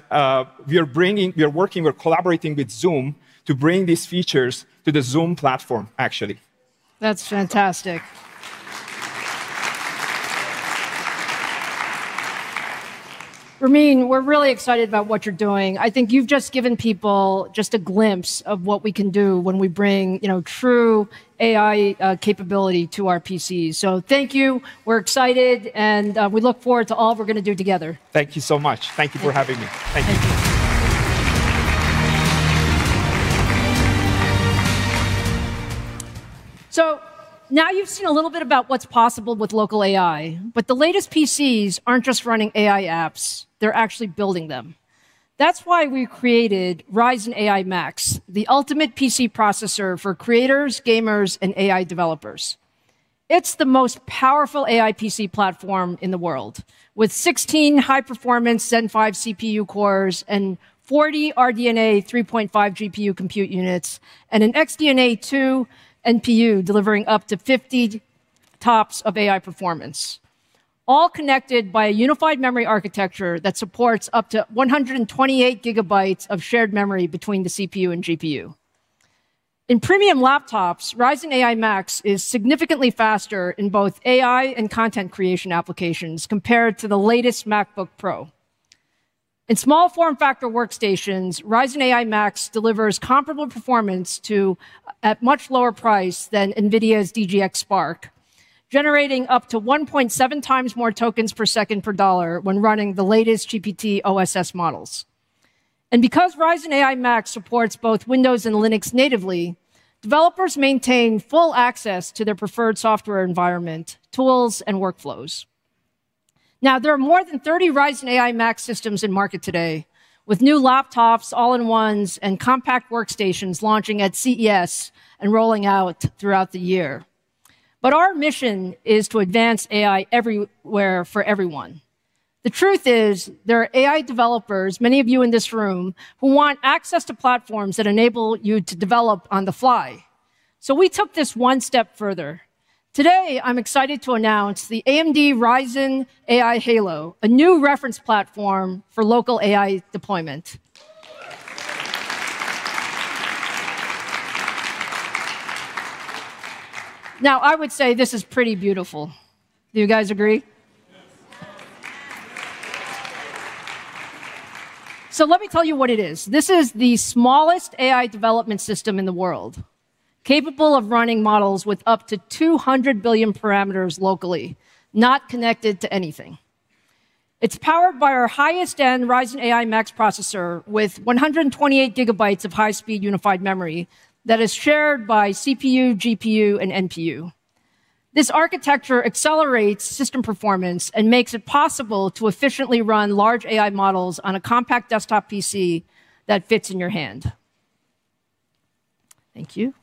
we are working, we're collaborating with Zoom to bring these features to the Zoom platform, actually. That's fantastic. Ramin, we're really excited about what you're doing. I think you've just given people just a glimpse of what we can do when we bring true AI capability to our PCs. So thank you. We're excited, and we look forward to all we're going to do together. Thank you so much. Thank you for having me. Thank you. So now you've seen a little bit about what's possible with local AI, but the latest PCs aren't just running AI apps. They're actually building them. That's why we created Ryzen AI Max, the ultimate PC processor for creators, gamers, and AI developers. It's the most powerful AI PC platform in the world, with 16 high-performance Zen 5 CPU cores and 40 RDNA 3.5 GPU compute units and an XDNA 2 NPU delivering up to 50 TOPS of AI performance, all connected by a unified memory architecture that supports up to 128 gigabytes of shared memory between the CPU and GPU. In premium laptops, Ryzen AI Max is significantly faster in both AI and content creation applications compared to the latest MacBook Pro. In small form factor workstations, Ryzen AI Max delivers comparable performance at a much lower price than NVIDIA's DGX Spark, generating up to 1.7x more tokens per second per dollar when running the latest GPT OSS models, and because Ryzen AI Max supports both Windows and Linux natively, developers maintain full access to their preferred software environment, tools, and workflows. Now, there are more than 30 Ryzen AI Max systems in the market today, with new laptops, all-in-ones, and compact workstations launching at CES and rolling out throughout the year. But our mission is to advance AI everywhere for everyone. The truth is there are AI developers, many of you in this room, who want access to platforms that enable you to develop on the fly. So we took this one step further. Today, I'm excited to announce the AMD Ryzen AI Halo, a new reference platform for local AI deployment. Now, I would say this is pretty beautiful. Do you guys agree? Yes. So let me tell you what it is. This is the smallest AI development system in the world, capable of running models with up to 200 billion parameters locally, not connected to anything. It's powered by our highest-end Ryzen AI Max processor with 128 gigabytes of high-speed unified memory that is shared by CPU, GPU, and NPU. This architecture accelerates system performance and makes it possible to efficiently run large AI models on a compact desktop PC that fits in your hand. Thank you.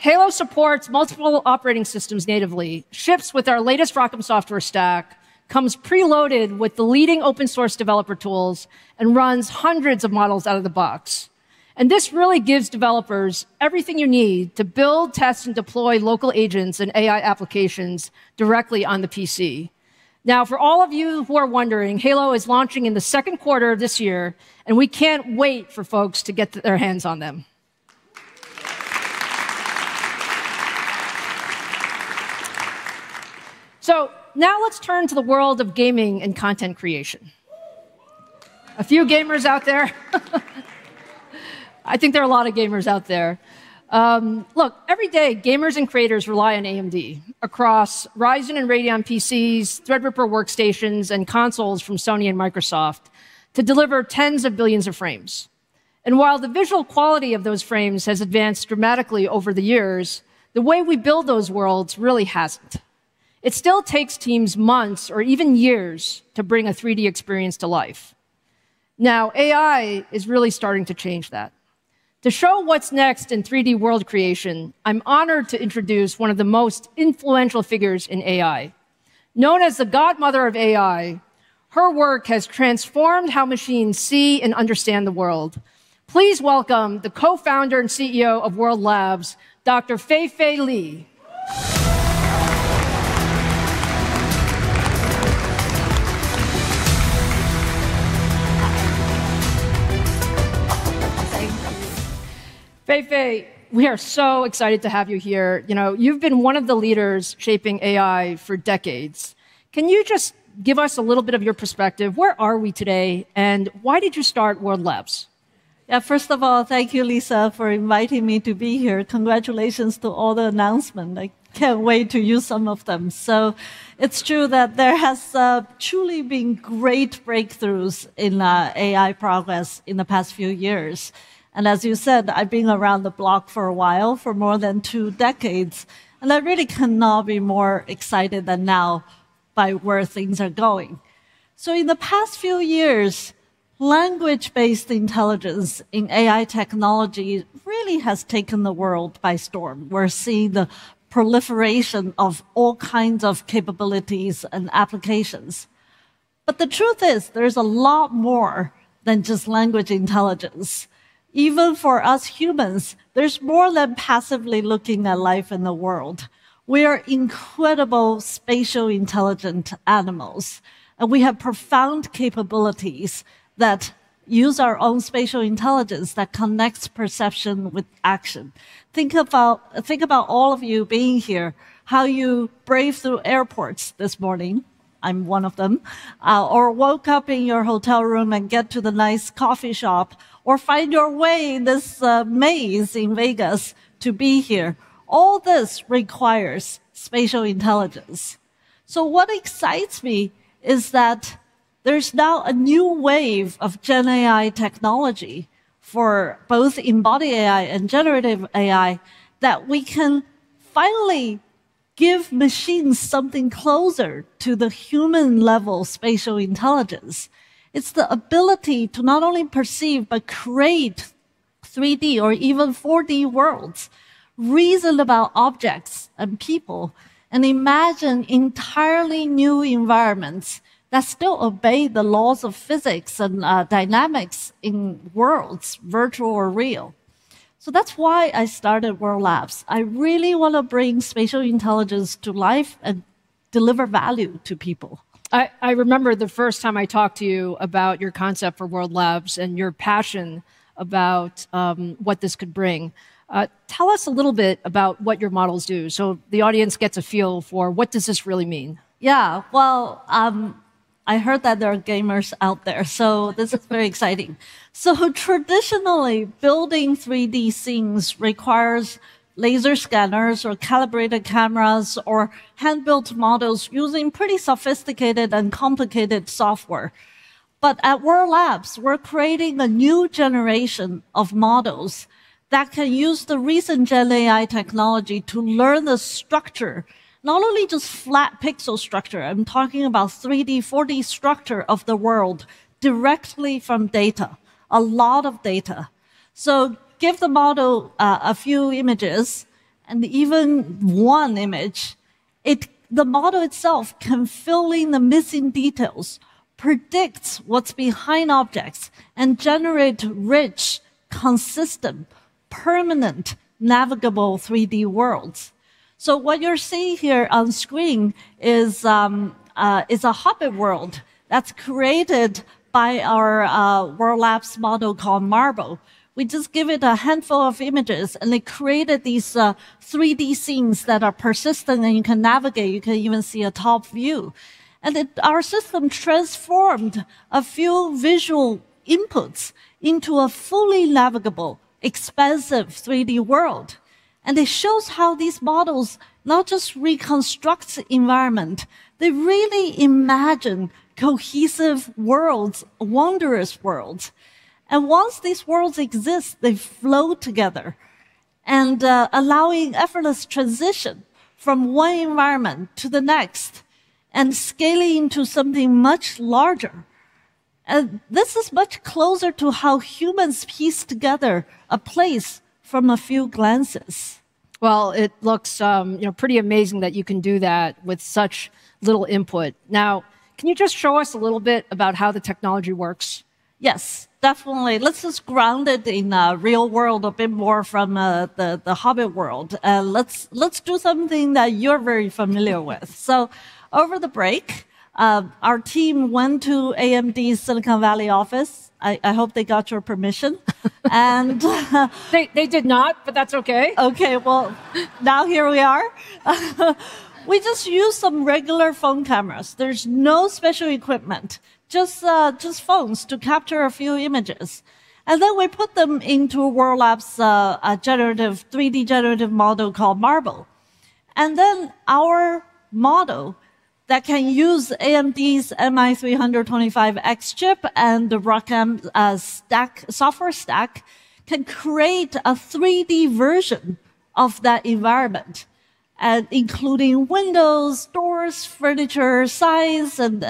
Halo supports multiple operating systems natively, ships with our latest ROCm software stack, comes preloaded with the leading open-source developer tools, and runs hundreds of models out of the box. This really gives developers everything you need to build, test, and deploy local agents and AI applications directly on the PC. Now, for all of you who are wondering, Halo is launching in the second quarter of this year, and we can't wait for folks to get their hands on them. Now let's turn to the world of gaming and content creation. A few gamers out there? I think there are a lot of gamers out there. Look, every day, gamers and creators rely on AMD across Ryzen and Radeon PCs, Threadripper workstations, and consoles from Sony and Microsoft to deliver tens of billions of frames, and while the visual quality of those frames has advanced dramatically over the years, the way we build those worlds really hasn't. It still takes teams months or even years to bring a 3D experience to life. Now, AI is really starting to change that. To show what's next in 3D world creation, I'm honored to introduce one of the most influential figures in AI. Known as the godmother of AI, her work has transformed how machines see and understand the world. Please welcome the Co-founder and CEO of World Labs, Dr. Fei-Fei Li. Thank you. Fei-Fei, we are so excited to have you here. You've been one of the leaders shaping AI for decades. Can you just give us a little bit of your perspective? Where are we today, and why did you start World Labs? Yeah, first of all, thank you, Lisa, for inviting me to be here. Congratulations to all the announcements. I can't wait to use some of them. So it's true that there have truly been great breakthroughs in AI progress in the past few years. And as you said, I've been around the block for a while, for more than two decades. And I really cannot be more excited than now by where things are going. So in the past few years, language-based intelligence in AI technology really has taken the world by storm. We're seeing the proliferation of all kinds of capabilities and applications. But the truth is, there's a lot more than just language intelligence. Even for us humans, there's more than passively looking at life in the world. We are incredible spatial intelligent animals. And we have profound capabilities that use our own spatial intelligence that connects perception with action. Think about all of you being here, how you brave through airports this morning. I'm one of them. Or woke up in your hotel room and get to the nice coffee shop, or find your way in this maze in Vegas to be here. All this requires spatial intelligence. So what excites me is that there's now a new wave of GenAI technology for both embodied AI and generative AI that we can finally give machines something closer to the human-level spatial intelligence. It's the ability to not only perceive but create 3D or even 4D worlds, reason about objects and people, and imagine entirely new environments that still obey the laws of physics and dynamics in worlds, virtual or real. So that's why I started World Labs. I really want to bring spatial intelligence to life and deliver value to people. I remember the first time I talked to you about your concept for World Labs and your passion about what this could bring. Tell us a little bit about what your models do. So the audience gets a feel for what does this really mean. Yeah, well, I heard that there are gamers out there, so this is very exciting. So traditionally, building 3D scenes requires laser scanners or calibrated cameras or hand-built models using pretty sophisticated and complicated software. But at World Labs, we're creating a new generation of models that can use the recent GenAI technology to learn the structure, not only just flat pixel structure. I'm talking about 3D, 4D structure of the world directly from data, a lot of data. So give the model a few images, and even one image, the model itself can fill in the missing details, predict what's behind objects, and generate rich, consistent, permanent, navigable 3D worlds. So what you're seeing here on screen is a Hobbit world that's created by our World Labs model called Marble. We just give it a handful of images, and it created these 3D scenes that are persistent, and you can navigate. You can even see a top view. And our system transformed a few visual inputs into a fully navigable, expansive 3D world. It shows how these models not just reconstruct the environment, they really imagine cohesive worlds, wondrous worlds. Once these worlds exist, they flow together, allowing effortless transition from one environment to the next and scaling to something much larger. This is much closer to how humans piece together a place from a few glances. It looks pretty amazing that you can do that with such little input. Now, can you just show us a little bit about how the technology works? Yes, definitely. Let's just ground it in the real world a bit more from the Hobbit world. Let's do something that you're very familiar with. Over the break, our team went to AMD's Silicon Valley office. I hope they got your permission. They did not, but that's okay. Okay, well, now here we are. We just used some regular phone cameras. There's no special equipment, just phones to capture a few images. And then we put them into World Labs' generative 3D generative model called Marble. And then our model that can use AMD's MI325X chip and the ROCm software stack can create a 3D version of that environment, including windows, doors, furniture, size, and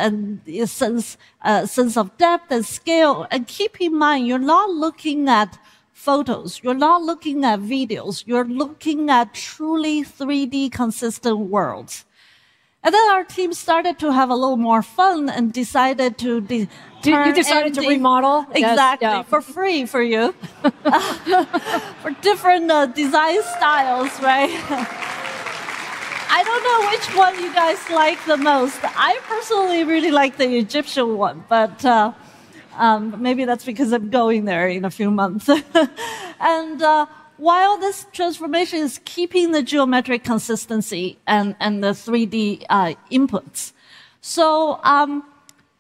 a sense of depth and scale. And keep in mind, you're not looking at photos. You're not looking at videos. You're looking at truly 3D consistent worlds. And then our team started to have a little more fun and decided to do. You decided to remodel? Exactly, for free for you. For different design styles, right? I don't know which one you guys like the most. I personally really like the Egyptian one, but maybe that's because I'm going there in a few months. While this transformation is keeping the geometric consistency and the 3D inputs, so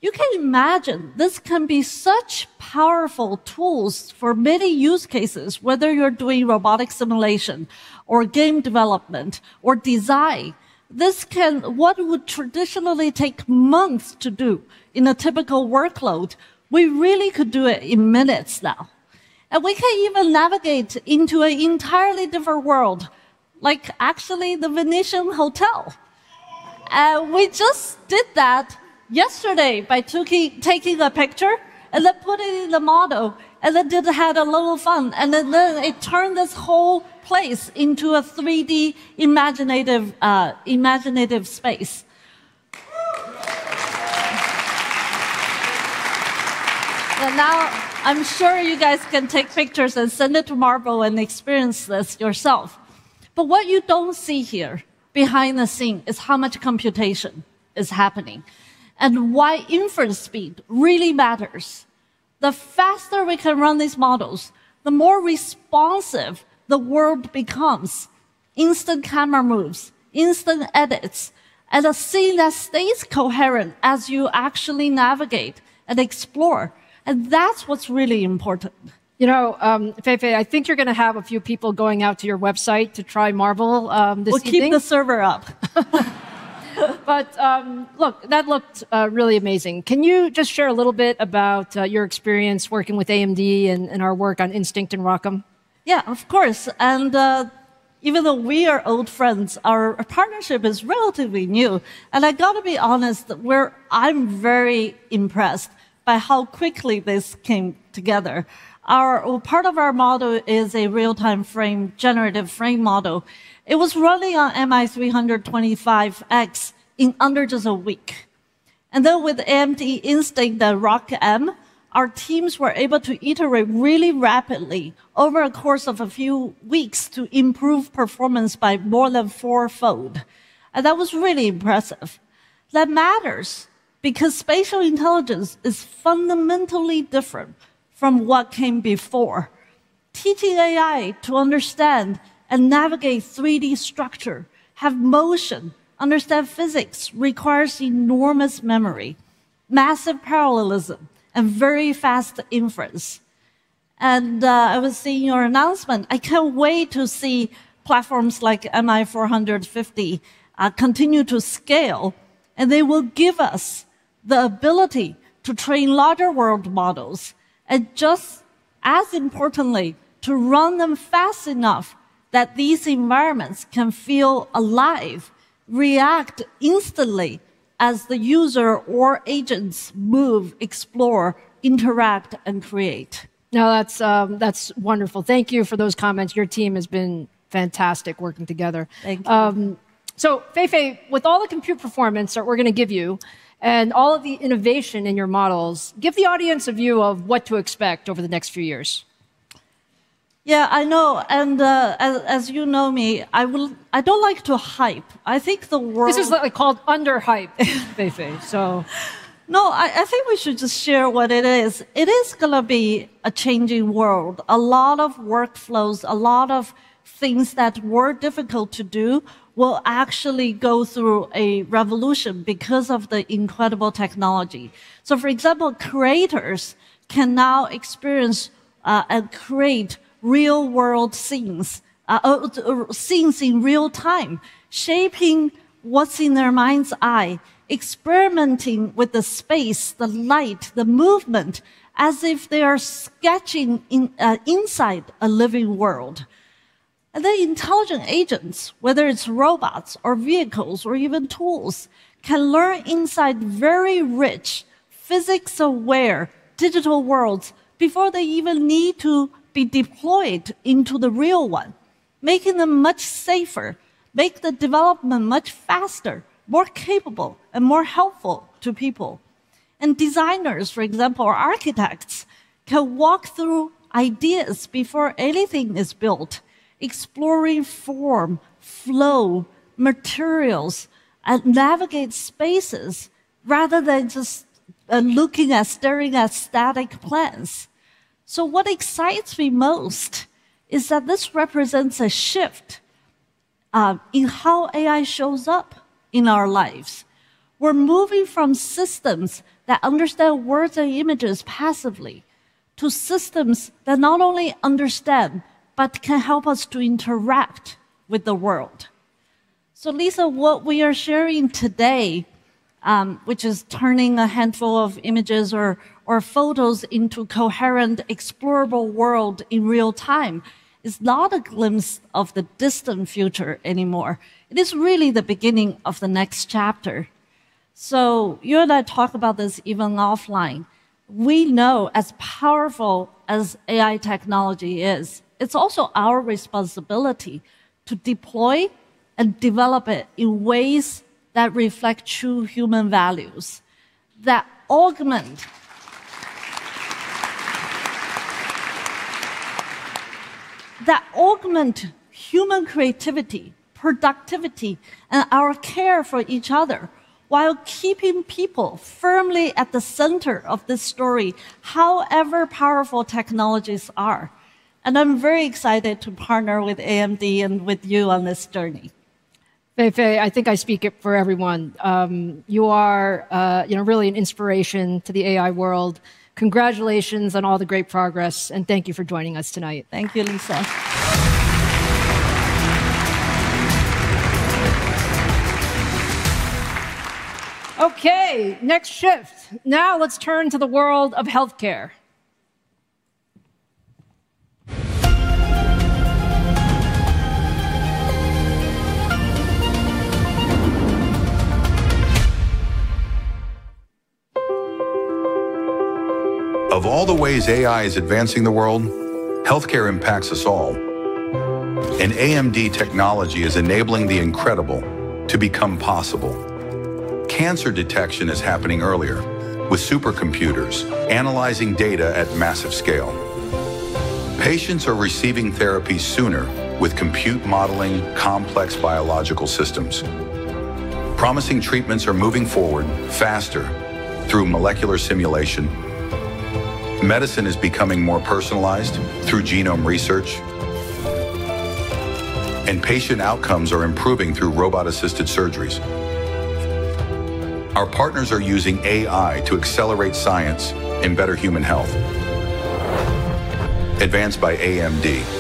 you can imagine this can be such powerful tools for many use cases, whether you're doing robotic simulation or game development or design. This can what would traditionally take months to do in a typical workload, we really could do it in minutes now. We can even navigate into an entirely different world, like actually the Venetian Hotel. We just did that yesterday by taking a picture and then putting it in the model, and then had a little fun. Then it turned this whole place into a 3D imaginative space. Now I'm sure you guys can take pictures and send it to Marble and experience this yourself. What you don't see here behind the scene is how much computation is happening and why inference speed really matters. The faster we can run these models, the more responsive the world becomes. Instant camera moves, instant edits, and a scene that stays coherent as you actually navigate and explore. And that's what's really important. You know, Fei-Fei, I think you're going to have a few people going out to your website to try Marble this evening. We'll keep the server up. But look, that looked really amazing. Can you just share a little bit about your experience working with AMD and our work on Instinct and ROCm? Yeah, of course. And even though we are old friends, our partnership is relatively new. And I've got to be honest, I'm very impressed by how quickly this came together. Part of our model is a real-time frame generative frame model. It was running on MI325X in under just a week. And then with AMD Instinct and ROCm, our teams were able to iterate really rapidly over a course of a few weeks to improve performance by more than fourfold. And that was really impressive. That matters because spatial intelligence is fundamentally different from what came before. Teaching AI to understand and navigate 3D structure, have motion, understand physics requires enormous memory, massive parallelism, and very fast inference. And I was seeing your announcement. I can't wait to see platforms like MI450 continue to scale. And they will give us the ability to train larger world models, and just as importantly, to run them fast enough that these environments can feel alive, react instantly as the user or agents move, explore, interact, and create. Now, that's wonderful. Thank you for those comments. Your team has been fantastic working together. Thank you. So, Fei-Fei, with all the compute performance that we're going to give you and all of the innovation in your models, give the audience a view of what to expect over the next few years? Yeah, I know. And as you know me, I don't like to hype. I think the world, this is what we call underhype, Fei-Fei. So, no, I think we should just share what it is. It is going to be a changing world. A lot of workflows, a lot of things that were difficult to do will actually go through a revolution because of the incredible technology. So, for example, creators can now experience and create real-world scenes in real time, shaping what's in their mind's eye, experimenting with the space, the light, the movement, as if they are sketching inside a living world. Intelligent agents, whether it's robots or vehicles or even tools, can learn inside very rich, physics-aware digital worlds before they even need to be deployed into the real one, making them much safer, making the development much faster, more capable, and more helpful to people. Designers, for example, or architects can walk through ideas before anything is built, exploring form, flow, materials, and navigate spaces rather than just looking at, staring at static plans. What excites me most is that this represents a shift in how AI shows up in our lives. We're moving from systems that understand words and images passively to systems that not only understand but can help us to interact with the world. So, Lisa, what we are sharing today, which is turning a handful of images or photos into a coherent, explorable world in real time, is not a glimpse of the distant future anymore. It is really the beginning of the next chapter. So you and I talk about this even offline. We know as powerful as AI technology is, it's also our responsibility to deploy and develop it in ways that reflect true human values, that augment human creativity, productivity, and our care for each other while keeping people firmly at the center of this story, however powerful technologies are. And I'm very excited to partner with AMD and with you on this journey. Fei-Fei, I think I speak for everyone. You are really an inspiration to the AI world. Congratulations on all the great progress, and thank you for joining us tonight. Thank you, Lisa. Okay, next shift. Now let's turn to the world of healthcare. Of all the ways AI is advancing the world, healthcare impacts us all. And AMD technology is enabling the incredible to become possible. Cancer detection is happening earlier with supercomputers analyzing data at massive scale. Patients are receiving therapy sooner with compute modeling complex biological systems. Promising treatments are moving forward faster through molecular simulation. Medicine is becoming more personalized through genome research. And patient outcomes are improving through robot-assisted surgeries. Our partners are using AI to accelerate science and better human health. Advanced by AMD.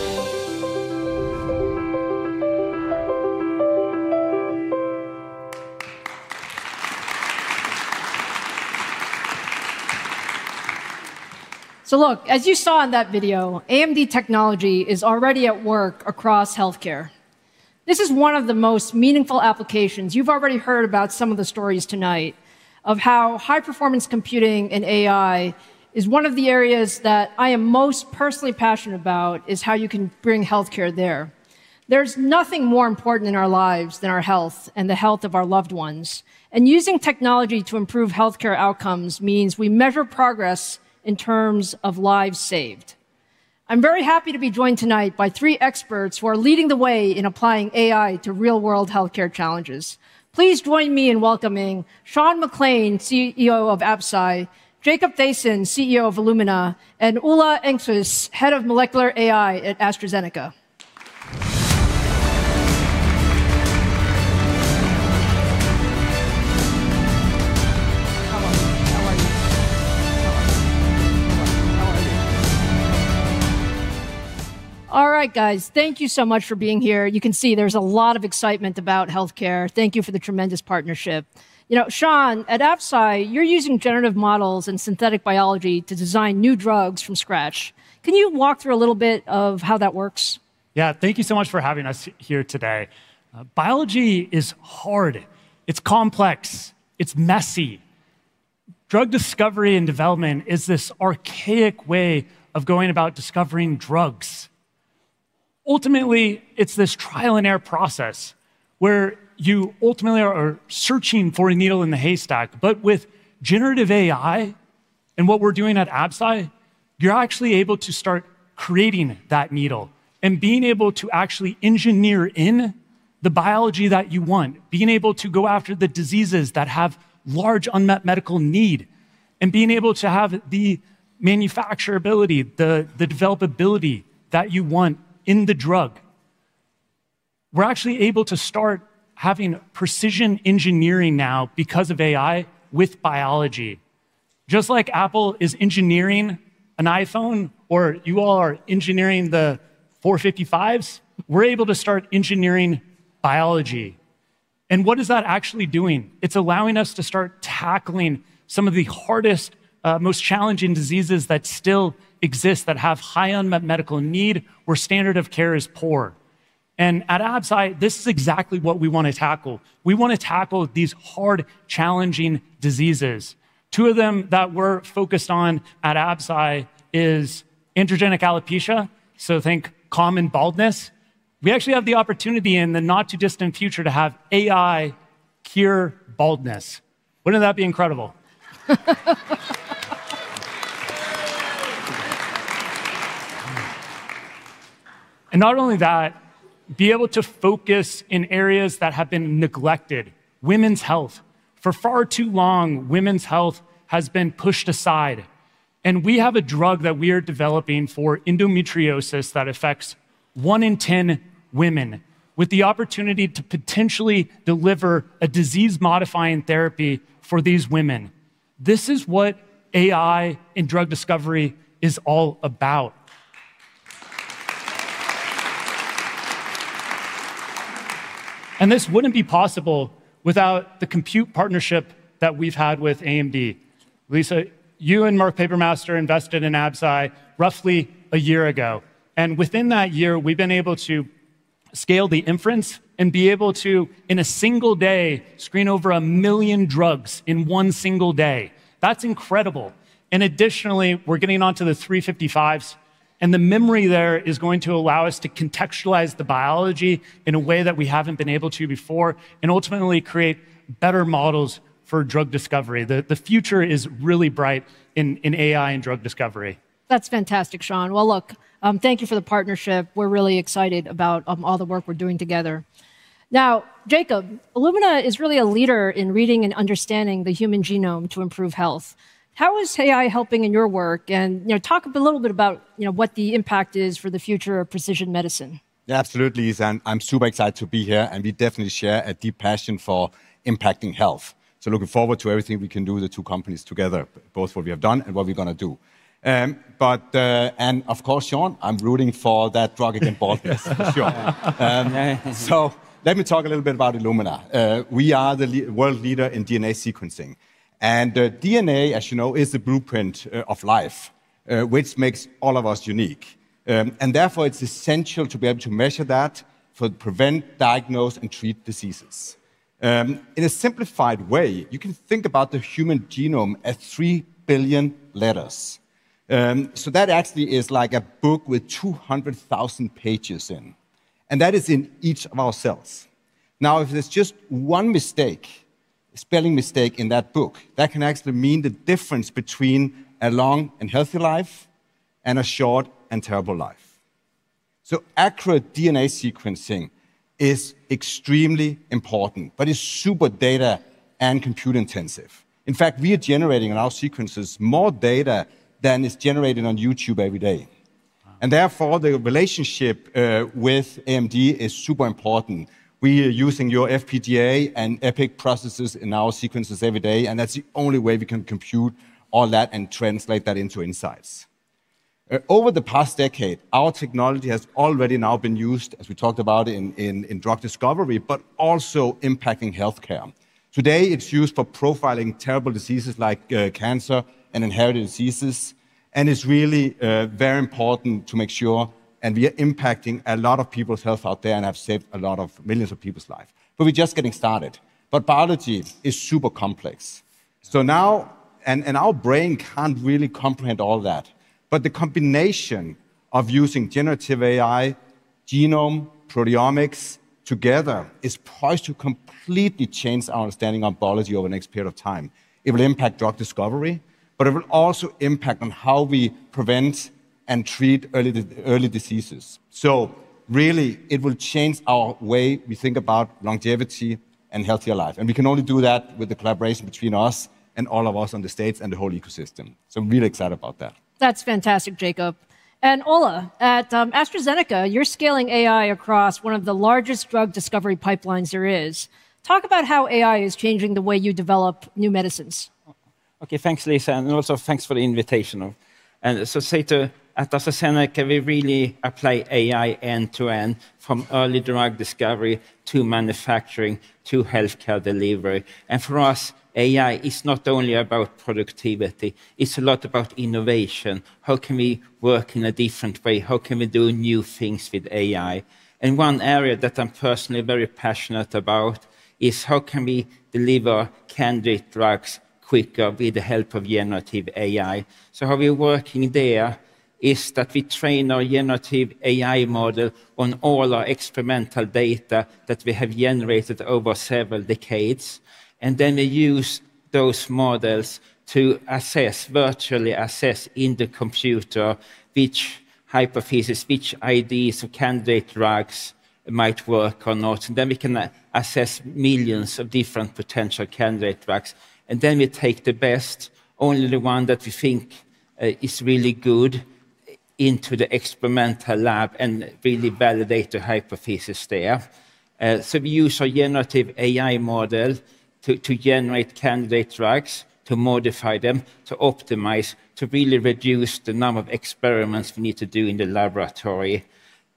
So look, as you saw in that video, AMD technology is already at work across healthcare. This is one of the most meaningful applications. You've already heard about some of the stories tonight of how high-performance computing and AI is one of the areas that I am most personally passionate about, is how you can bring healthcare there. There's nothing more important in our lives than our health and the health of our loved ones. And using technology to improve healthcare outcomes means we measure progress in terms of lives saved. I'm very happy to be joined tonight by three experts who are leading the way in applying AI to real-world healthcare challenges. Please join me in welcoming Sean McClain, CEO of Absci, Jacob Thaysen, CEO of Illumina, and Ola Engkvist, Head of Molecular AI at AstraZeneca. All right, guys, thank you so much for being here. You can see there's a lot of excitement about healthcare. Thank you for the tremendous partnership. You know, Sean, at Absci, you're using generative models and synthetic biology to design new drugs from scratch. Can you walk through a little bit of how that works? Yeah, thank you so much for having us here today. Biology is hard. It's complex. It's messy. Drug discovery and development is this archaic way of going about discovering drugs. Ultimately, it's this trial and error process where you ultimately are searching for a needle in the haystack. But with generative AI and what we're doing at Absci, you're actually able to start creating that needle and being able to actually engineer in the biology that you want, being able to go after the diseases that have large unmet medical need, and being able to have the manufacturability, the developability that you want in the drug. We're actually able to start having precision engineering now because of AI with biology. Just like Apple is engineering an iPhone or you all are engineering the 455s, we're able to start engineering biology. And what is that actually doing? It's allowing us to start tackling some of the hardest, most challenging diseases that still exist that have high unmet medical need where standard of care is poor. And at Absci, this is exactly what we want to tackle. We want to tackle these hard, challenging diseases. Two of them that we're focused on at Absci is androgenic alopecia, so think common baldness. We actually have the opportunity in the not-too-distant future to have AI cure baldness. Wouldn't that be incredible? And not only that, be able to focus in areas that have been neglected: women's health. For far too long, women's health has been pushed aside. We have a drug that we are developing for endometriosis that affects one in ten women, with the opportunity to potentially deliver a disease-modifying therapy for these women. This is what AI and drug discovery is all about. This wouldn't be possible without the compute partnership that we've had with AMD. Lisa, you and Mark Papermaster invested in Absci roughly a year ago. Within that year, we've been able to scale the inference and be able to, in a single day, screen over a million drugs in one single day. That's incredible. Additionally, we're getting onto the 355s. The memory there is going to allow us to contextualize the biology in a way that we haven't been able to before and ultimately create better models for drug discovery. The future is really bright in AI and drug discovery. That's fantastic, Sean. Look, thank you for the partnership. We're really excited about all the work we're doing together. Now, Jacob, Illumina is really a leader in reading and understanding the human genome to improve health. How is AI helping in your work? And talk a little bit about what the impact is for the future of precision medicine. Absolutely, Lisa. I'm super excited to be here. We definitely share a deep passion for impacting health. Looking forward to everything we can do with the two companies together, both what we have done and what we're going to do. Of course, Sean, I'm rooting for that drug against baldness, for sure. Let me talk a little bit about Illumina. We are the world leader in DNA sequencing. DNA, as you know, is the blueprint of life, which makes all of us unique. And therefore, it's essential to be able to measure that, prevent, diagnose, and treat diseases. In a simplified way, you can think about the human genome as three billion letters. So that actually is like a book with 200,000 pages in. And that is in each of our cells. Now, if there's just one mistake, a spelling mistake in that book, that can actually mean the difference between a long and healthy life and a short and terrible life. So accurate DNA sequencing is extremely important, but it's super data and compute-intensive. In fact, we are generating in our sequences more data than is generated on YouTube every day. And therefore, the relationship with AMD is super important. We are using your FPGA and EPYC processes in our sequences every day. And that's the only way we can compute all that and translate that into insights. Over the past decade, our technology has already now been used, as we talked about, in drug discovery, but also impacting healthcare. Today, it's used for profiling terrible diseases like cancer and inherited diseases. And it's really very important to make sure we are impacting a lot of people's health out there and have saved a lot of millions of people's lives. But we're just getting started. But biology is super complex. So now, and our brain can't really comprehend all that. But the combination of using generative AI, genomics, proteomics together is poised to completely change our understanding of biology over the next period of time. It will impact drug discovery, but it will also impact on how we prevent and treat early diseases. So really, it will change our way we think about longevity and healthier life. And we can only do that with the collaboration between us and all of us on the states and the whole ecosystem. So I'm really excited about that. That's fantastic, Jacob. And Ola, at AstraZeneca, you're scaling AI across one of the largest drug discovery pipelines there is. Talk about how AI is changing the way you develop new medicines. Okay, thanks, Lisa. And also, thanks for the invitation. And so at AstraZeneca, we really apply AI end-to-end, from early drug discovery to manufacturing to healthcare delivery. And for us, AI is not only about productivity. It's a lot about innovation. How can we work in a different way? How can we do new things with AI? And one area that I'm personally very passionate about is how can we deliver candidate drugs quicker with the help of generative AI? So how we are working there is that we train our generative AI model on all our experimental data that we have generated over several decades. And then we use those models to virtually assess in the computer which hypothesis, which ideas of candidate drugs might work or not. And then we can assess millions of different potential candidate drugs. And then we take the best, only the one that we think is really good, into the experimental lab and really validate the hypothesis there. So we use our generative AI model to generate candidate drugs, to modify them, to optimize, to really reduce the number of experiments we need to do in the laboratory.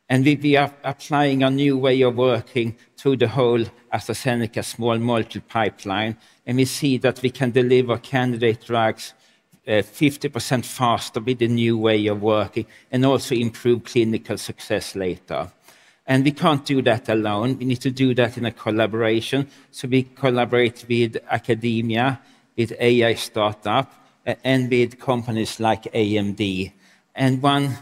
And we are applying a new way of working through the whole AstraZeneca small molecule pipeline. We see that we can deliver candidate drugs 50% faster with the new way of working and also improve clinical success later. We can't do that alone. We need to do that in a collaboration. We collaborate with academia, with AI startups, and with companies like AMD. One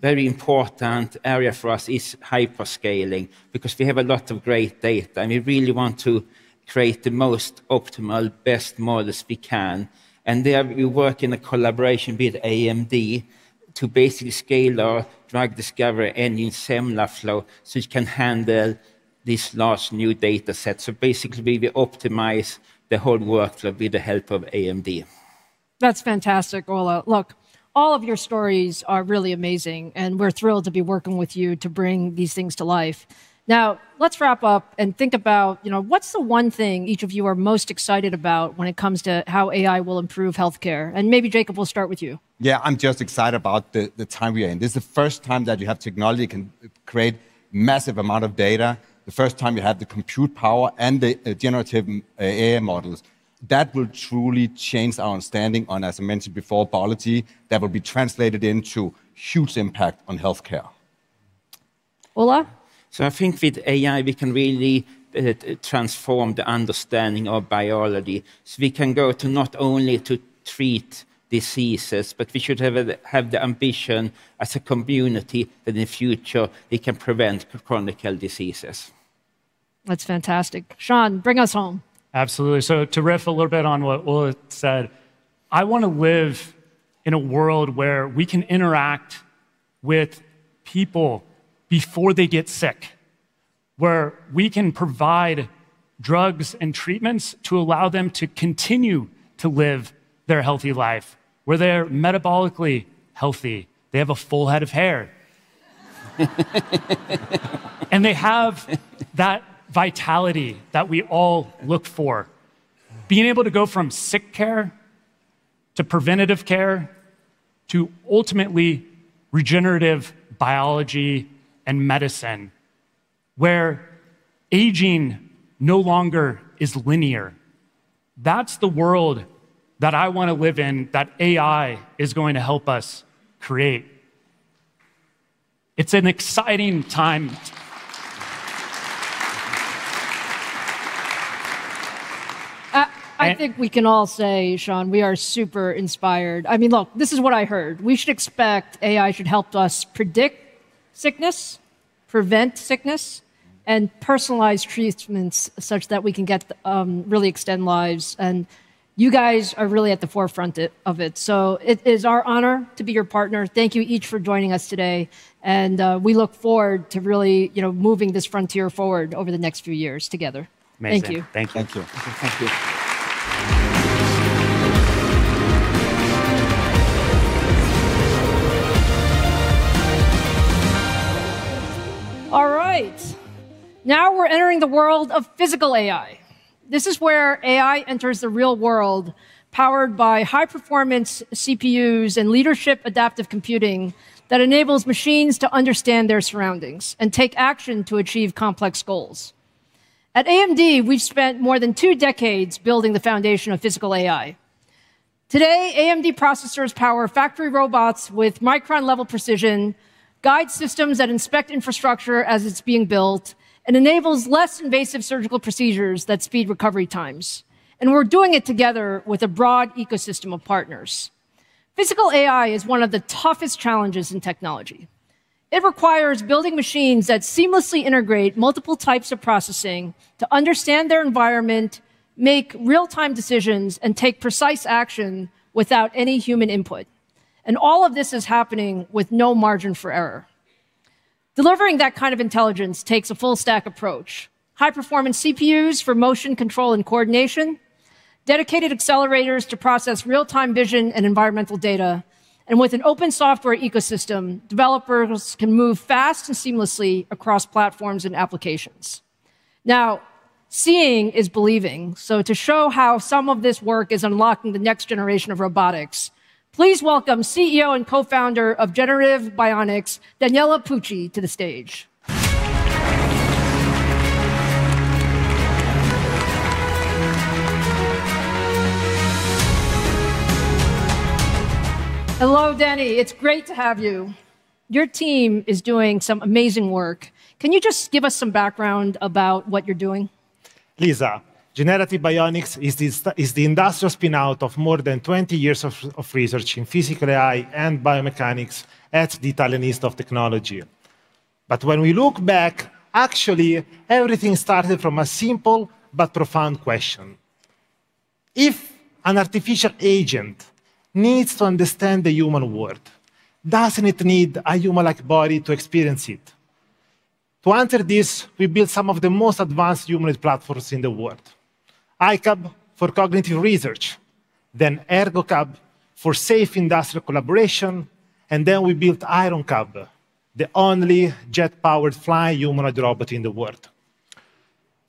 very important area for us is hyperscaling because we have a lot of great data. We really want to create the most optimal, best models we can. There we work in a collaboration with AMD to basically scale our drug discovery and use SemlaFlow so it can handle this large new data set. We basically optimize the whole workflow with the help of AMD. That's fantastic, Ola. Look, all of your stories are really amazing. We're thrilled to be working with you to bring these things to life. Now, let's wrap up and think about what's the one thing each of you are most excited about when it comes to how AI will improve healthcare. And maybe Jacob, we'll start with you. Yeah, I'm just excited about the time we're in. This is the first time that you have technology that can create a massive amount of data. The first time you have the compute power and the generative AI models. That will truly change our understanding on, as I mentioned before, biology that will be translated into a huge impact on healthcare. Ola? So I think with AI, we can really transform the understanding of biology. So we can go to not only to treat diseases, but we should have the ambition as a community that in the future, we can prevent chronic diseases. That's fantastic. Sean, bring us home. Absolutely. To riff a little bit on what Ola said, I want to live in a world where we can interact with people before they get sick, where we can provide drugs and treatments to allow them to continue to live their healthy life, where they're metabolically healthy, they have a full head of hair, and they have that vitality that we all look for. Being able to go from sick care to preventative care to ultimately regenerative biology and medicine, where aging no longer is linear. That's the world that I want to live in that AI is going to help us create. It's an exciting time. I think we can all say, Sean, we are super inspired. I mean, look, this is what I heard. We should expect AI should help us predict sickness, prevent sickness, and personalize treatments such that we can really extend lives. You guys are really at the forefront of it. So it is our honor to be your partner. Thank you each for joining us today. And we look forward to really moving this frontier forward over the next few years together. Amazing. Thank you. Thank you. Thank you. All right. Now we're entering the world of physical AI. This is where AI enters the real world, powered by high-performance CPUs and leadership adaptive computing that enables machines to understand their surroundings and take action to achieve complex goals. At AMD, we've spent more than two decades building the foundation of physical AI. Today, AMD processors power factory robots with micron-level precision, guide systems that inspect infrastructure as it's being built, and enables less invasive surgical procedures that speed recovery times. And we're doing it together with a broad ecosystem of partners. Physical AI is one of the toughest challenges in technology. It requires building machines that seamlessly integrate multiple types of processing to understand their environment, make real-time decisions, and take precise action without any human input, and all of this is happening with no margin for error. Delivering that kind of intelligence takes a full-stack approach: high-performance CPUs for motion control and coordination, dedicated accelerators to process real-time vision and environmental data, and with an open software ecosystem, developers can move fast and seamlessly across platforms and applications. Now, seeing is believing, so to show how some of this work is unlocking the next generation of robotics, please welcome CEO and co-founder of Generative Bionics, Daniele Pucci, to the stage. Hello, Dani. It's great to have you. Your team is doing some amazing work. Can you just give us some background about what you're doing? Lisa, Generative Bionics is the industrial spinout of more than 20 years of research in physical AI and biomechanics at the Italian Institute of Technology. But when we look back, actually, everything started from a simple but profound question. If an artificial agent needs to understand the human world, doesn't it need a human-like body to experience it? To answer this, we built some of the most advanced human-led platforms in the world: iCub for cognitive research, then ergoCub for safe industrial collaboration, and then we built iRonCub, the only jet-powered flying human-led robot in the world.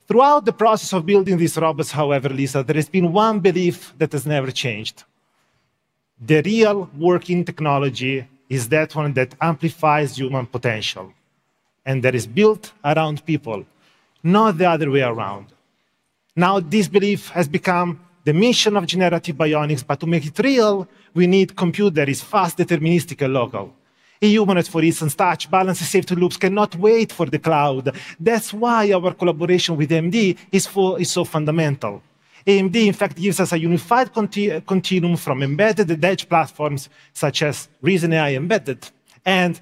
Throughout the process of building these robots, however, Lisa, there has been one belief that has never changed. The real working technology is that one that amplifies human potential and that is built around people, not the other way around. Now, this belief has become the mission of Generative Bionics. But to make it real, we need compute that is fast, deterministic, and local. A human-led, for instance, touch, balances, safety loops cannot wait for the cloud. That's why our collaboration with AMD is so fundamental. AMD, in fact, gives us a unified continuum from embedded edge platforms such as Ryzen AI Embedded and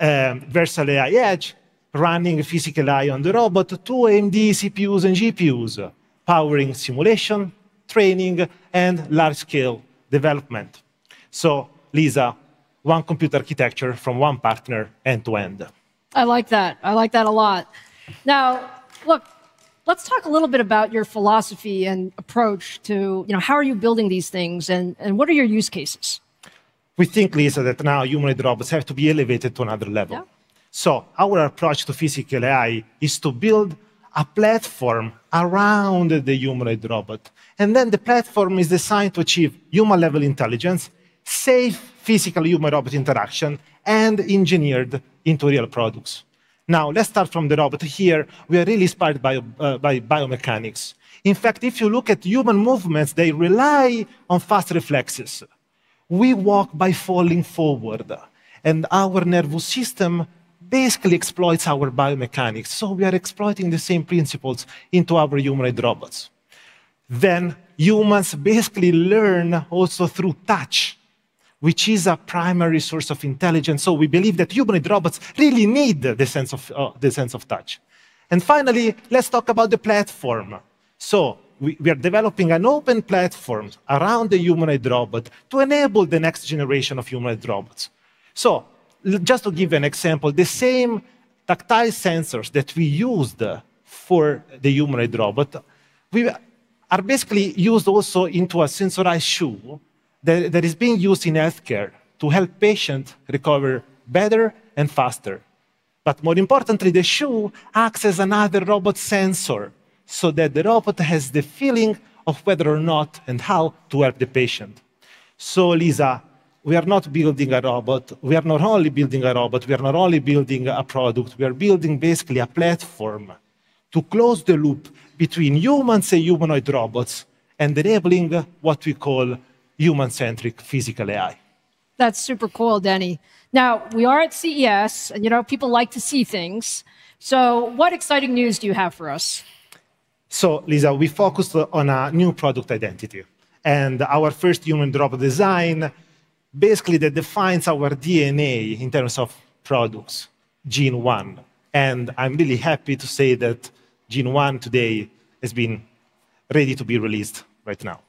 Versal AI Edge, running a physical AI on the robot, to AMD CPUs and GPUs, powering simulation, training, and large-scale development. So, Lisa, one compute architecture from one partner end-to-end. I like that. I like that a lot. Now, look, let's talk a little bit about your philosophy and approach to how are you building these things and what are your use cases? We think, Lisa, that now human-led robots have to be elevated to another level. So our approach to physical AI is to build a platform around the human-led robot. And then the platform is designed to achieve human-level intelligence, safe physical human-robot interaction, and engineered into real products. Now, let's start from the robot here. We are really inspired by biomechanics. In fact, if you look at human movements, they rely on fast reflexes. We walk by falling forward. And our nervous system basically exploits our biomechanics. So we are exploiting the same principles into our human-led robots. Then humans basically learn also through touch, which is a primary source of intelligence. So we believe that human-led robots really need the sense of touch. And finally, let's talk about the platform. So we are developing an open platform around the human-led robot to enable the next generation of human-led robots. Just to give you an example, the same tactile sensors that we used for the human-led robot are basically used also into a sensorized shoe that is being used in healthcare to help patients recover better and faster. But more importantly, the shoe acts as another robot sensor so that the robot has the feeling of whether or not and how to help the patient. So, Lisa, we are not building a robot. We are not only building a robot. We are not only building a product. We are building basically a platform to close the loop between humans and humanoid robots and enabling what we call human-centric physical AI. That's super cool, Dani. Now, we are at CES. And people like to see things. So what exciting news do you have for us? So, Lisa, we focused on a new product identity. Our first human-robot design basically defines our DNA in terms of products, GENE.01. And I'm really happy to say that GENE.01 today has been ready to be released right now.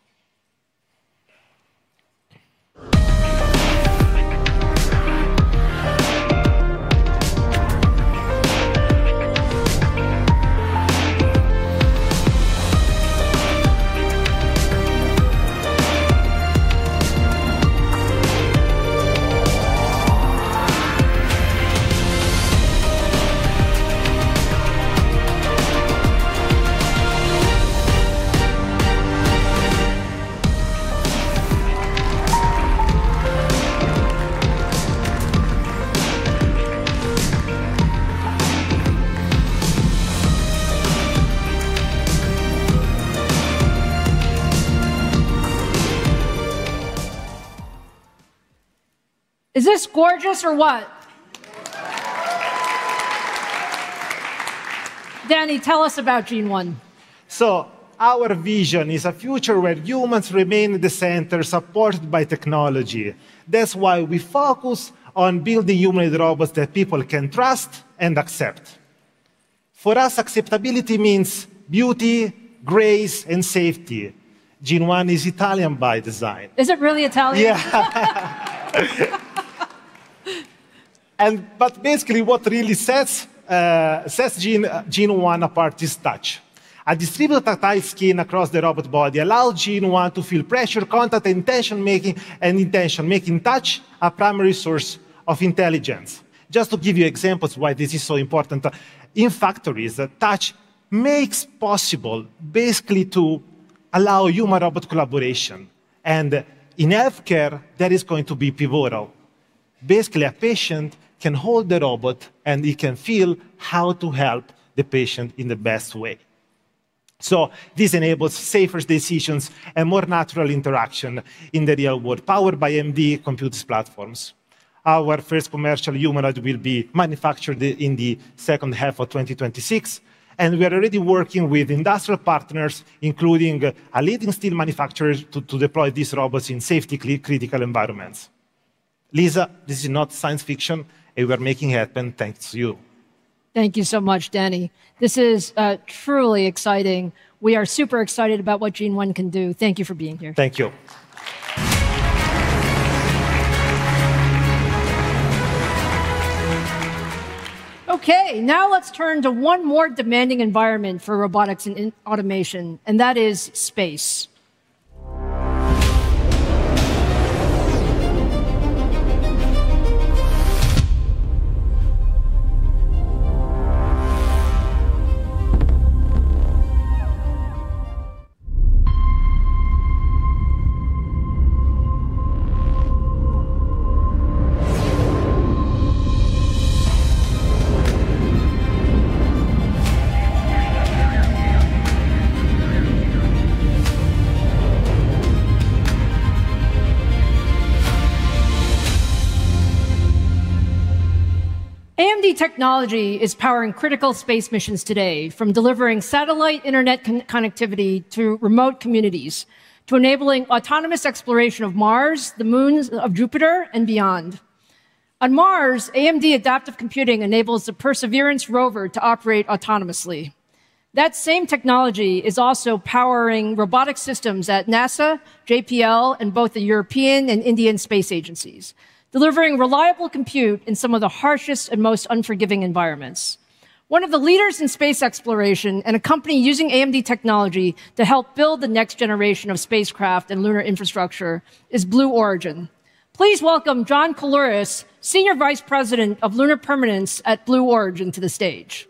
Is this gorgeous or what? Dani, tell us about GENE.01. So our vision is a future where humans remain at the center, supported by technology. That's why we focus on building human-led robots that people can trust and accept. For us, acceptability means beauty, grace, and safety. GENE.01 is Italian by design. Is it really Italian? Yeah. But basically, what really sets GENE.01 apart is touch. A distributed tactile skin across the robot body allows GENE.01 to feel pressure, contact, and intention-making, and intention-making touch, a primary source of intelligence. Just to give you examples of why this is so important, in factories, touch makes possible basically to allow human-robot collaboration. And in healthcare, that is going to be pivotal. Basically, a patient can hold the robot, and he can feel how to help the patient in the best way. So this enables safer decisions and more natural interaction in the real world, powered by AMD compute platforms. Our first commercial humanoid will be manufactured in the second half of 2026. And we are already working with industrial partners, including a leading steel manufacturer, to deploy these robots in safety-critical environments. Lisa, this is not science fiction. We are making it happen thanks to you. Thank you so much, Daniela. This is truly exciting. We are super excited about what GENE.01 can do. Thank you for being here. Thank you. OK, now let's turn to one more demanding environment for robotics and automation, and that is space. AMD technology is powering critical space missions today, from delivering satellite internet connectivity to remote communities to enabling autonomous exploration of Mars, the moons of Jupiter, and beyond. On Mars, AMD Adaptive Computing enables the Perseverance rover to operate autonomously. That same technology is also powering robotic systems at NASA, JPL, and both the European and Indian space agencies, delivering reliable compute in some of the harshest and most unforgiving environments. One of the leaders in space exploration and a company using AMD technology to help build the next generation of spacecraft and lunar infrastructure is Blue Origin. Please welcome John Couluris, Senior Vice President of Lunar Permanence at Blue Origin, to the stage.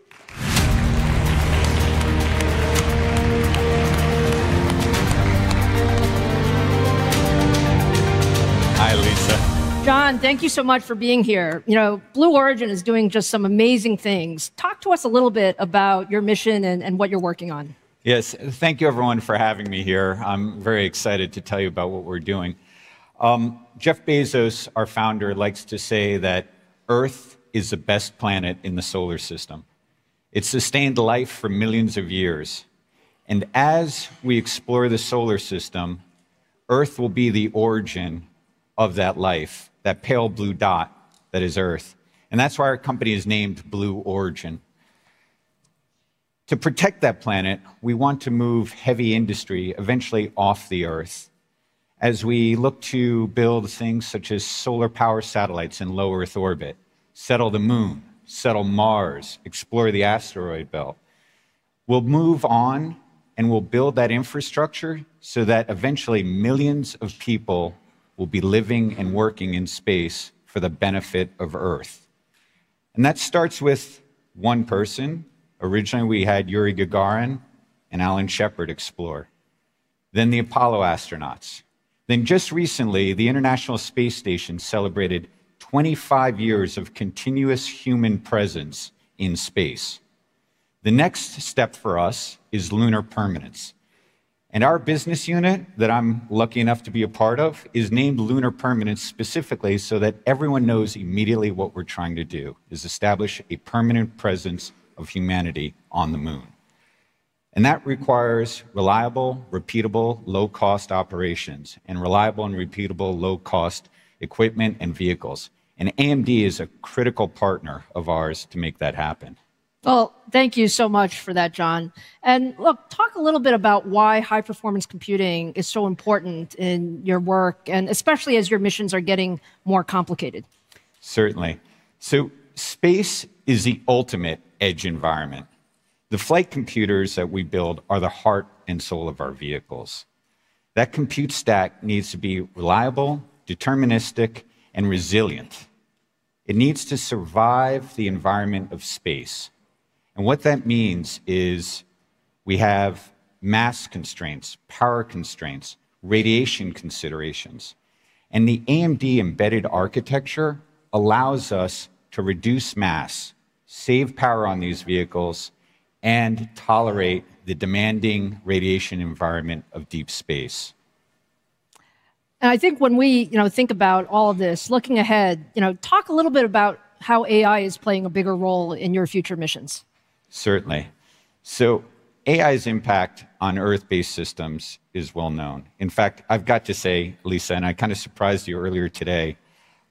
Hi, Lisa. John, thank you so much for being here. Blue Origin is doing just some amazing things. Talk to us a little bit about your mission and what you're working on. Yes, thank you, everyone, for having me here. I'm very excited to tell you about what we're doing. Jeff Bezos, our founder, likes to say that Earth is the best planet in the solar system. It's sustained life for millions of years. And as we explore the solar system, Earth will be the origin of that life, that pale blue dot that is Earth. And that's why our company is named Blue Origin. To protect that planet, we want to move heavy industry eventually off the Earth. As we look to build things such as solar power satellites in low Earth orbit, settle the Moon, settle Mars, explore the asteroid belt, we'll move on and we'll build that infrastructure so that eventually millions of people will be living and working in space for the benefit of Earth. And that starts with one person. Originally, we had Yuri Gagarin and Alan Shepard explore. Then the Apollo astronauts. Then just recently, the International Space Station celebrated 25 years of continuous human presence in space. The next step for us is lunar permanence. And our business unit that I'm lucky enough to be a part of is named Lunar Permanence specifically so that everyone knows immediately what we're trying to do: establish a permanent presence of humanity on the Moon. And that requires reliable, repeatable, low-cost operations and reliable and repeatable low-cost equipment and vehicles. And AMD is a critical partner of ours to make that happen. Well, thank you so much for that, John. And look, talk a little bit about why high-performance computing is so important in your work, and especially as your missions are getting more complicated. Certainly. So space is the ultimate edge environment. The flight computers that we build are the heart and soul of our vehicles. That compute stack needs to be reliable, deterministic, and resilient. It needs to survive the environment of space, and what that means is we have mass constraints, power constraints, radiation considerations, and the AMD embedded architecture allows us to reduce mass, save power on these vehicles, and tolerate the demanding radiation environment of deep space, and I think when we think about all of this, looking ahead, talk a little bit about how AI is playing a bigger role in your future missions. Certainly, so AI's impact on Earth-based systems is well known. In fact, I've got to say, Lisa, and I kind of surprised you earlier today.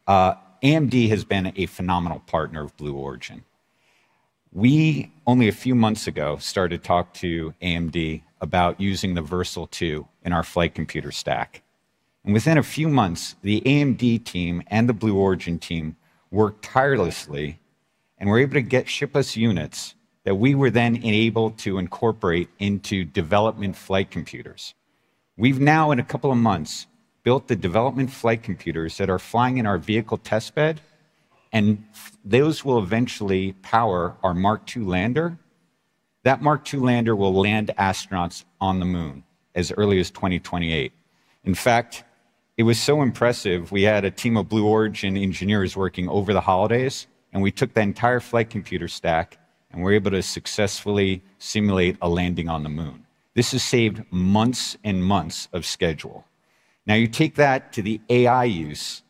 AMD has been a phenomenal partner of Blue Origin. We only a few months ago started talking to AMD about using the Versal 2 in our flight computer stack, and within a few months, the AMD team and the Blue Origin team worked tirelessly and were able to ship us units that we were then able to incorporate into development flight computers. We've now, in a couple of months, built the development flight computers that are flying in our vehicle test bed, and those will eventually power our Mark 2 lander. That Mark 2 lander will land astronauts on the Moon as early as 2028. In fact, it was so impressive. We had a team of Blue Origin engineers working over the holidays, and we took the entire flight computer stack, and we were able to successfully simulate a landing on the Moon. This has saved months and months of schedule. Now, you take that to the AI use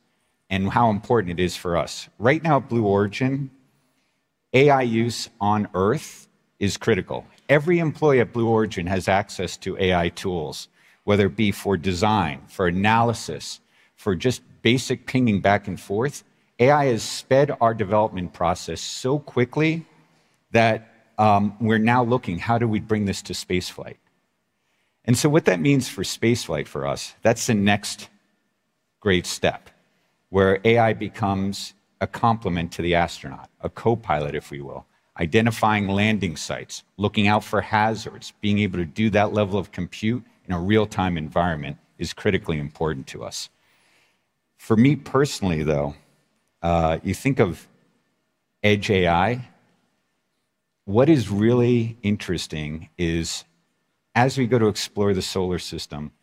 and how important it is for us. Right now, at Blue Origin, AI use on Earth is critical. Every employee at Blue Origin has access to AI tools, whether it be for design, for analysis, for just basic pinging back and forth. AI has sped our development process so quickly that we're now looking at how do we bring this to spaceflight, and so what that means for spaceflight for us, that's the next great step, where AI becomes a complement to the astronaut, a co-pilot, if we will. Identifying landing sites, looking out for hazards, being able to do that level of compute in a real-time environment is critically important to us. For me personally, though, you think of edge AI, what is really interesting is, as we go to explore the solar system,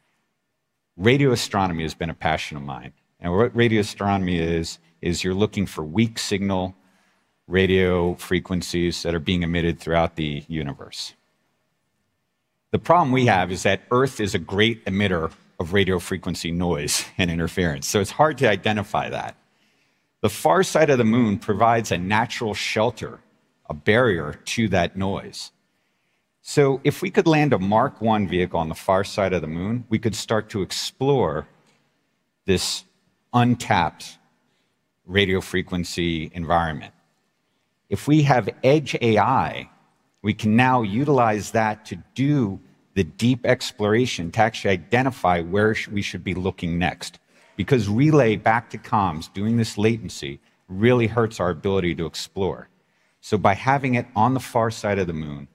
radio astronomy has been a passion of mine, and what radio astronomy is you're looking for weak signal radio frequencies that are being emitted throughout the universe. The problem we have is that Earth is a great emitter of radio frequency noise and interference. So it's hard to identify that. The far side of the Moon provides a natural shelter, a barrier to that noise. So if we could land a Mark 1 vehicle on the far side of the Moon, we could start to explore this untapped radio frequency environment. If we have edge AI, we can now utilize that to do the deep exploration to actually identify where we should be looking next. Because relay back to comms doing this latency really hurts our ability to explore. So by having it on the far side of the Moon,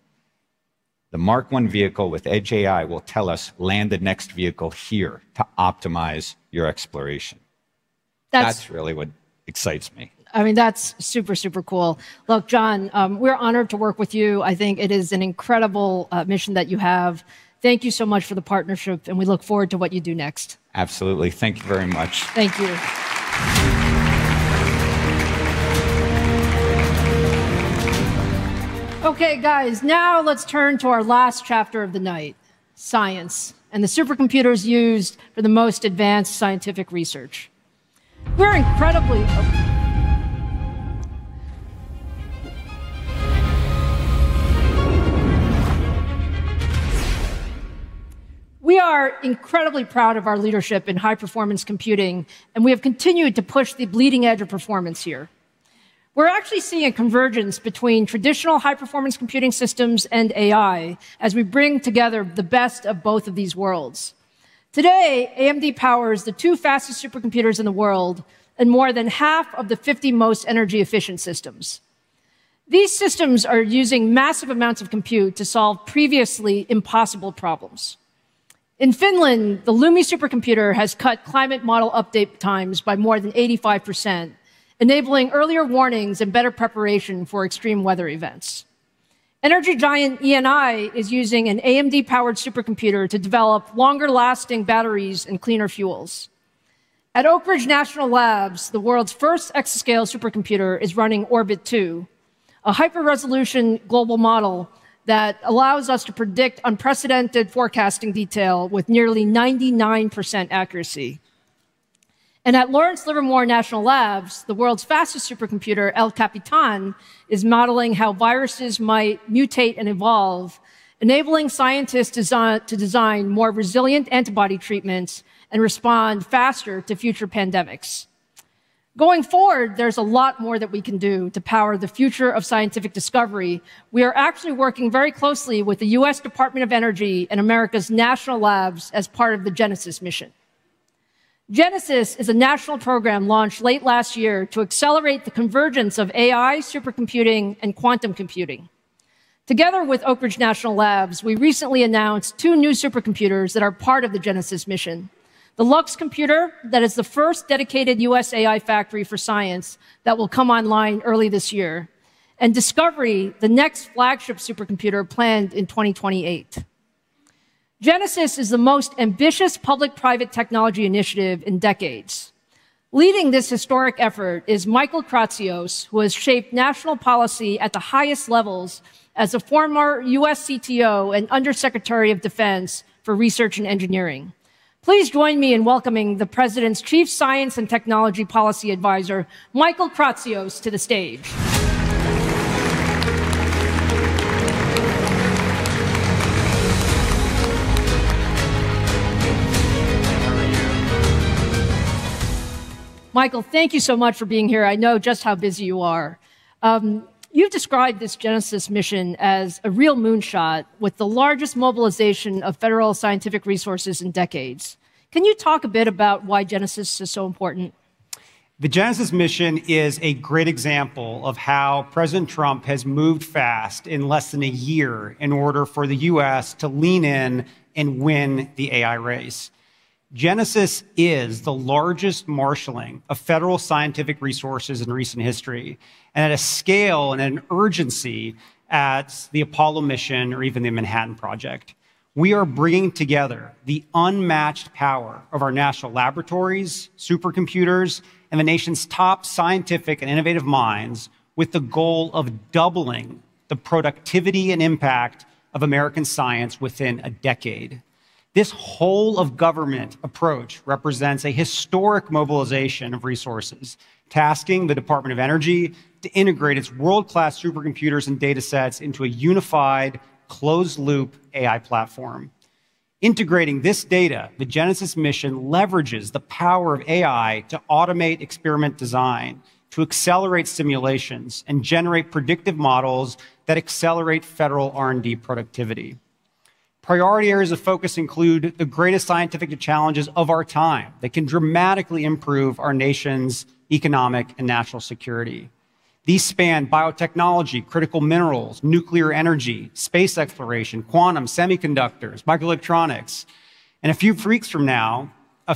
the Mark 1 vehicle with edge AI will tell us, "Land the next vehicle here to optimize your exploration." That's really what excites me. I mean, that's super, super cool. Look, John, we're honored to work with you. I think it is an incredible mission that you have. Thank you so much for the partnership. And we look forward to what you do next. Absolutely. Thank you very much. Thank you. OK, guys, now let's turn to our last chapter of the night, science and the supercomputers used for the most advanced scientific research. We're incredibly. We are incredibly proud of our leadership in high-performance computing. And we have continued to push the bleeding edge of performance here. We're actually seeing a convergence between traditional high-performance computing systems and AI as we bring together the best of both of these worlds. Today, AMD powers the two fastest supercomputers in the world and more than half of the 50 most energy-efficient systems. These systems are using massive amounts of compute to solve previously impossible problems. In Finland, the LUMI supercomputer has cut climate model update times by more than 85%, enabling earlier warnings and better preparation for extreme weather events. Energy giant Eni is using an AMD-powered supercomputer to develop longer-lasting batteries and cleaner fuels. At Oak Ridge National Laboratory, the world's first exascale supercomputer is running Orbit 2, a hyper-resolution global model that allows us to predict unprecedented forecasting detail with nearly 99% accuracy. At Lawrence Livermore National Laboratory, the world's fastest supercomputer, El Capitan, is modeling how viruses might mutate and evolve, enabling scientists to design more resilient antibody treatments and respond faster to future pandemics. Going forward, there's a lot more that we can do to power the future of scientific discovery. We are actually working very closely with the U.S. Department of Energy and America's National Labs as part of the Genesis mission. Genesis is a national program launched late last year to accelerate the convergence of AI, supercomputing, and quantum computing. Together with Oak Ridge National Laboratory, we recently announced two new supercomputers that are part of the Genesis mission: the Lux computer that is the first dedicated U.S. AI factory for science that will come online early this year, and Discovery, the next flagship supercomputer planned in 2028. Genesis is the most ambitious public-private technology initiative in decades. Leading this historic effort is Michael Kratsios, who has shaped national policy at the highest levels as a former U.S. CTO and Undersecretary of Defense for Research and Engineering. Please join me in welcoming the President's Chief Science and Technology Policy Advisor, Michael Kratsios, to the stage. Michael, thank you so much for being here. I know just how busy you are. You've described this Genesis mission as a real moonshot, with the largest mobilization of federal scientific resources in decades. Can you talk a bit about why Genesis is so important? The Genesis mission is a great example of how President Trump has moved fast in less than a year in order for the U.S. to lean in and win the AI race. Genesis is the largest marshaling of federal scientific resources in recent history. At a scale and an urgency as the Apollo mission or even the Manhattan Project, we are bringing together the unmatched power of our national laboratories, supercomputers, and the nation's top scientific and innovative minds with the goal of doubling the productivity and impact of American science within a decade. This whole-of-government approach represents a historic mobilization of resources, tasking the Department of Energy to integrate its world-class supercomputers and data sets into a unified, closed-loop AI platform. Integrating this data, the Genesis mission leverages the power of AI to automate experiment design, to accelerate simulations, and generate predictive models that accelerate federal R&D productivity. Priority areas of focus include the greatest scientific challenges of our time that can dramatically improve our nation's economic and national security. These span biotechnology, critical minerals, nuclear energy, space exploration, quantum, semiconductors, microelectronics. A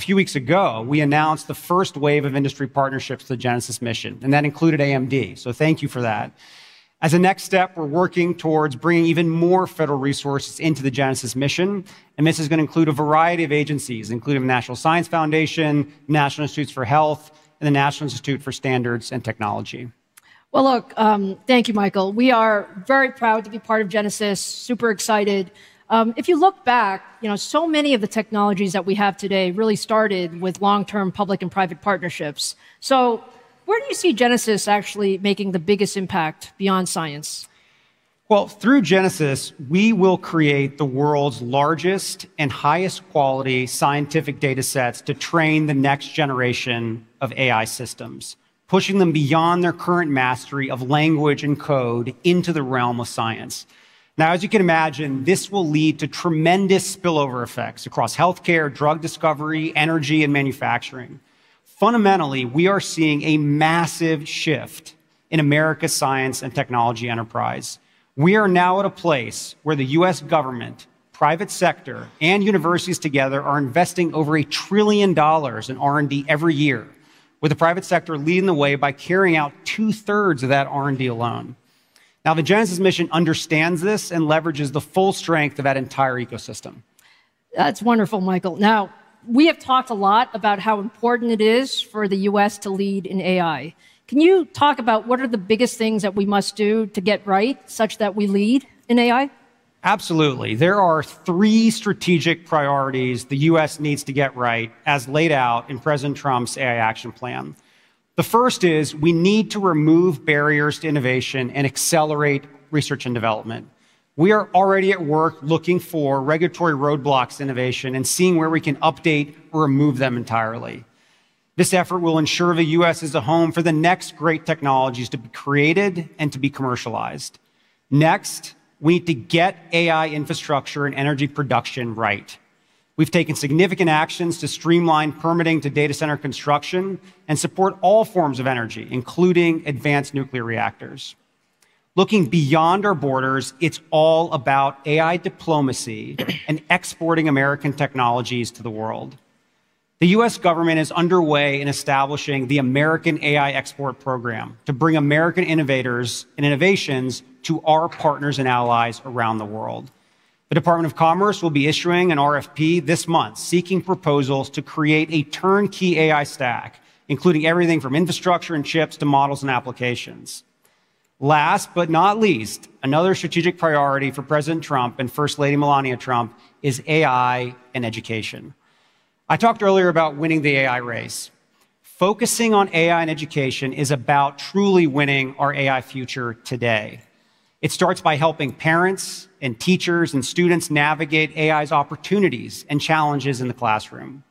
few weeks ago, we announced the first wave of industry partnerships for the Genesis mission. That included AMD. So thank you for that. As a next step, we're working towards bringing even more federal resources into the Genesis mission. This is going to include a variety of agencies, including the National Science Foundation, the National Institutes of Health, and the National Institute for Standards and Technology. Look, thank you, Michael. We are very proud to be part of Genesis, super excited. If you look back, so many of the technologies that we have today really started with long-term public and private partnerships. So where do you see Genesis actually making the biggest impact beyond science? Through Genesis, we will create the world's largest and highest quality scientific data sets to train the next generation of AI systems, pushing them beyond their current mastery of language and code into the realm of science. Now, as you can imagine, this will lead to tremendous spillover effects across health care, drug discovery, energy, and manufacturing. Fundamentally, we are seeing a massive shift in America's science and technology enterprise. We are now at a place where the U.S. government, private sector, and universities together are investing over $1 trillion in R&D every year, with the private sector leading the way by carrying out two-thirds of that R&D alone. Now, the Genesis mission understands this and leverages the full strength of that entire ecosystem. That's wonderful, Michael. Now, we have talked a lot about how important it is for the U.S. to lead in AI. Can you talk about what are the biggest things that we must do to get right such that we lead in AI? Absolutely. There are three strategic priorities the U.S. needs to get right, as laid out in President Trump's AI action plan. The first is we need to remove barriers to innovation and accelerate research and development. We are already at work looking for regulatory roadblocks to innovation and seeing where we can update or remove them entirely. This effort will ensure the U.S. is a home for the next great technologies to be created and to be commercialized. Next, we need to get AI infrastructure and energy production right. We've taken significant actions to streamline permitting to data center construction and support all forms of energy, including advanced nuclear reactors. Looking beyond our borders, it's all about AI diplomacy and exporting American technologies to the world. The U.S. government is underway in establishing the American AI Export Program to bring American innovators and innovations to our partners and allies around the world. The Department of Commerce will be issuing an RFP this month, seeking proposals to create a turnkey AI stack, including everything from infrastructure and chips to models and applications. Last but not least, another strategic priority for President Trump and First Lady Melania Trump is AI and education. I talked earlier about winning the AI race. Focusing on AI and education is about truly winning our AI future today. It starts by helping parents and teachers and students navigate AI's opportunities and challenges in the classroom.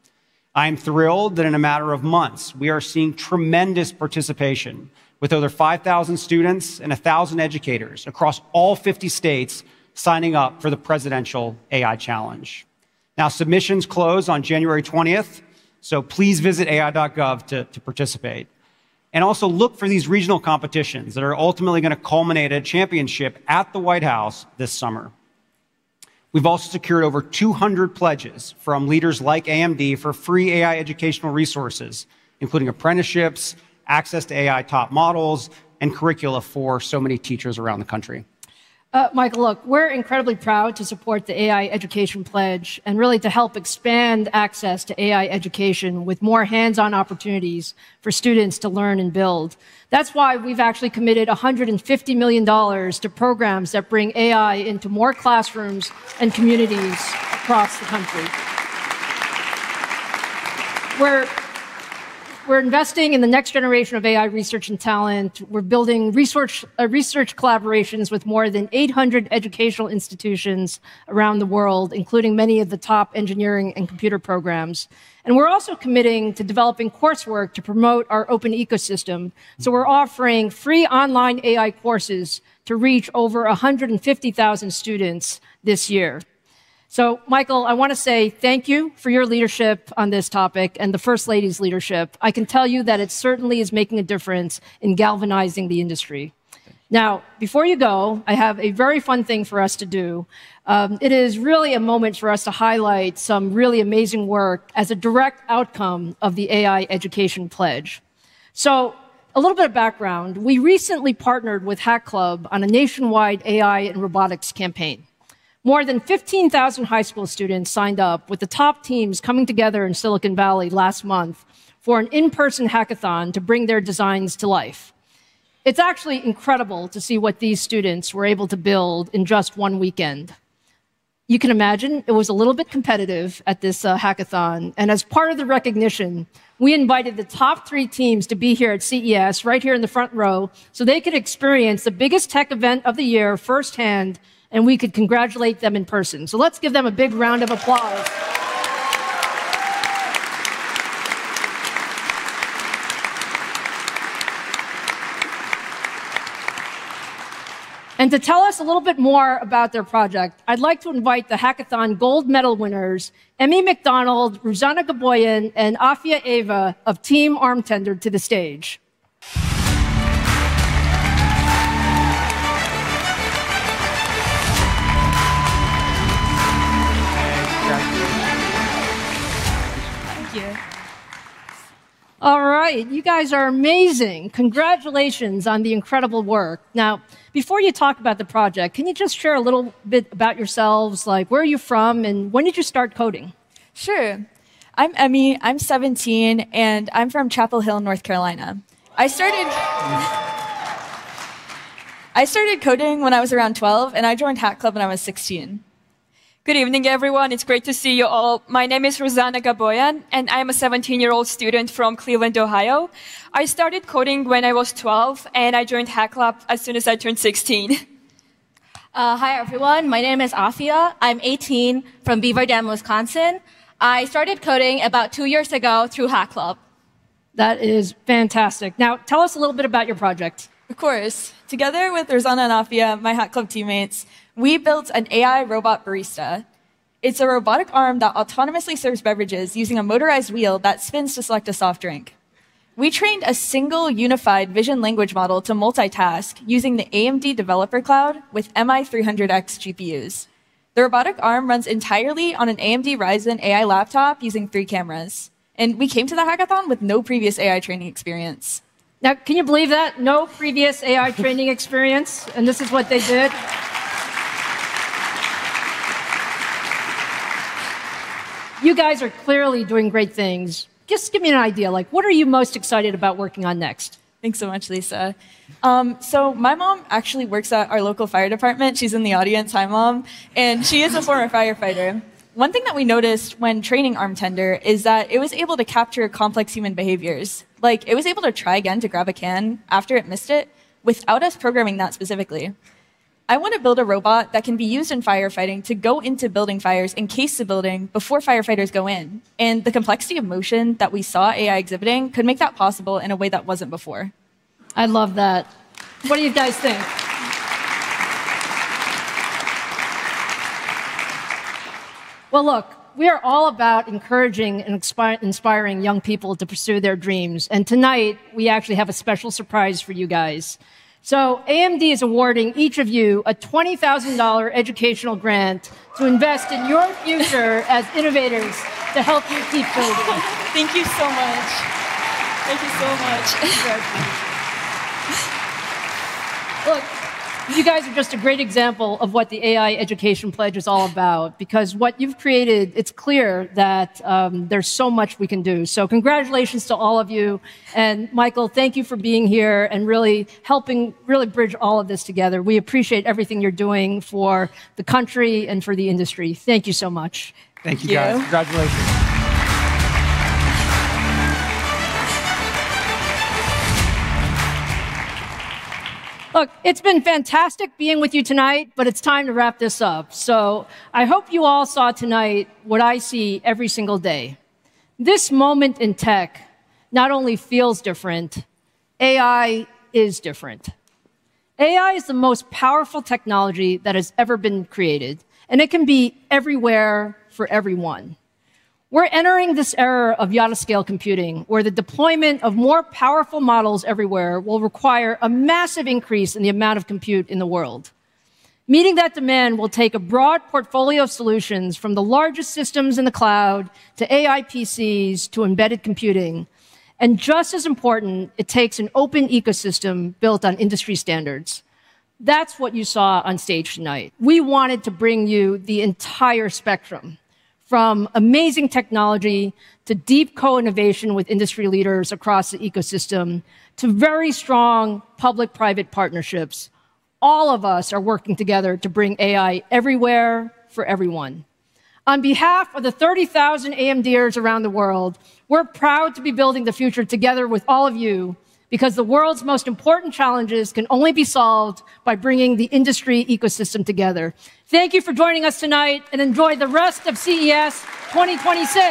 I am thrilled that in a matter of months, we are seeing tremendous participation with over 5,000 students and 1,000 educators across all 50 states signing up for the Presidential AI Challenge. Now, submissions close on January 20th. So please visit ai.gov to participate. And also look for these regional competitions that are ultimately going to culminate at a championship at the White House this summer. We've also secured over 200 pledges from leaders like AMD for free AI educational resources, including apprenticeships, access to AI top models, and curricula for so many teachers around the country. Michael, look, we're incredibly proud to support the AI Education Pledge and really to help expand access to AI education with more hands-on opportunities for students to learn and build. That's why we've actually committed $150 million to programs that bring AI into more classrooms and communities across the country. We're investing in the next generation of AI research and talent. We're building research collaborations with more than 800 educational institutions around the world, including many of the top engineering and computer programs. And we're also committing to developing coursework to promote our open ecosystem. So we're offering free online AI courses to reach over 150,000 students this year. So, Michael, I want to say thank you for your leadership on this topic and the First Lady's leadership. I can tell you that it certainly is making a difference in galvanizing the industry. Now, before you go, I have a very fun thing for us to do. It is really a moment for us to highlight some really amazing work as a direct outcome of the AI Education Pledge. So a little bit of background. We recently partnered with Hack Club on a nationwide AI and robotics campaign. More than 15,000 high school students signed up with the top teams coming together in Silicon Valley last month for an in-person hackathon to bring their designs to life. It's actually incredible to see what these students were able to build in just one weekend. You can imagine it was a little bit competitive at this hackathon. And as part of the recognition, we invited the top three teams to be here at CES, right here in the front row, so they could experience the biggest tech event of the year firsthand, and we could congratulate them in person. So let's give them a big round of applause. And to tell us a little bit more about their project, I'd like to invite the hackathon gold medal winners, Emme McDonald, Ruzanna Gaboyan, and Afia Ava of Team Arm Tender, to the stage. Thank you. All right. You guys are amazing. Congratulations on the incredible work. Now, before you talk about the project, can you just share a little bit about yourselves? Like, where are you from, and when did you start coding? Sure. I'm Emme. I'm 17, and I'm from Chapel Hill, North Carolina. I started coding when I was around 12, and I joined Hack Club when I was 16. Good evening, everyone. It's great to see you all. My name is Ruzanna Gaboyan, and I'm a 17-year-old student from Cleveland, Ohio. I started coding when I was 12, and I joined Hack Club as soon as I turned 16. Hi, everyone. My name is Afia. I'm 18, from Beaver Dam, Wisconsin. I started coding about two years ago through Hack Club. That is fantastic. Now, tell us a little bit about your project. Of course. Together with Rosanna and Afia, my Hack Club teammates, we built an AI robot barista. It's a robotic arm that autonomously serves beverages using a motorized wheel that spins to select a soft drink. We trained a single unified vision language model to multitask using the AMD Developer Cloud with MI300X GPUs. The robotic arm runs entirely on an AMD Ryzen AI laptop using three cameras. And we came to the hackathon with no previous AI training experience. Now, can you believe that? No previous AI training experience. And this is what they did. You guys are clearly doing great things. Just give me an idea. Like, what are you most excited about working on next? Thanks so much, Lisa. So my mom actually works at our local fire department. She's in the audience, my mom. And she is a former firefighter. One thing that we noticed when training Arm Tender is that it was able to capture complex human behaviors. Like, it was able to try again to grab a can after it missed it without us programming that specifically. I want to build a robot that can be used in firefighting to go into building fires and case the building before firefighters go in. And the complexity of motion that we saw AI exhibiting could make that possible in a way that wasn't before. I love that. What do you guys think? Well, look, we are all about encouraging and inspiring young people to pursue their dreams. And tonight, we actually have a special surprise for you guys. So AMD is awarding each of you a $20,000 educational grant to invest in your future as innovators to help you keep building. Thank you so much. Thank you so much. Look, you guys are just a great example of what the AI Education Pledge is all about. Because what you've created, it's clear that there's so much we can do. So congratulations to all of you. Michael, thank you for being here and really helping bridge all of this together. We appreciate everything you're doing for the country and for the industry. Thank you so much. Thank you, guys. Congratulations. Look, it's been fantastic being with you tonight, but it's time to wrap this up. I hope you all saw tonight what I see every single day. This moment in tech not only feels different, AI is different. AI is the most powerful technology that has ever been created, and it can be everywhere for everyone. We're entering this era of yard-scale computing where the deployment of more powerful models everywhere will require a massive increase in the amount of compute in the world. Meeting that demand will take a broad portfolio of solutions from the largest systems in the cloud to AI PCs to embedded computing. And just as important, it takes an open ecosystem built on industry standards. That's what you saw on stage tonight. We wanted to bring you the entire spectrum from amazing technology to deep co-innovation with industry leaders across the ecosystem to very strong public-private partnerships. All of us are working together to bring AI everywhere for everyone. On behalf of the 30,000 AMDers around the world, we're proud to be building the future together with all of you because the world's most important challenges can only be solved by bringing the industry ecosystem together. Thank you for joining us tonight, and enjoy the rest of CES 2026.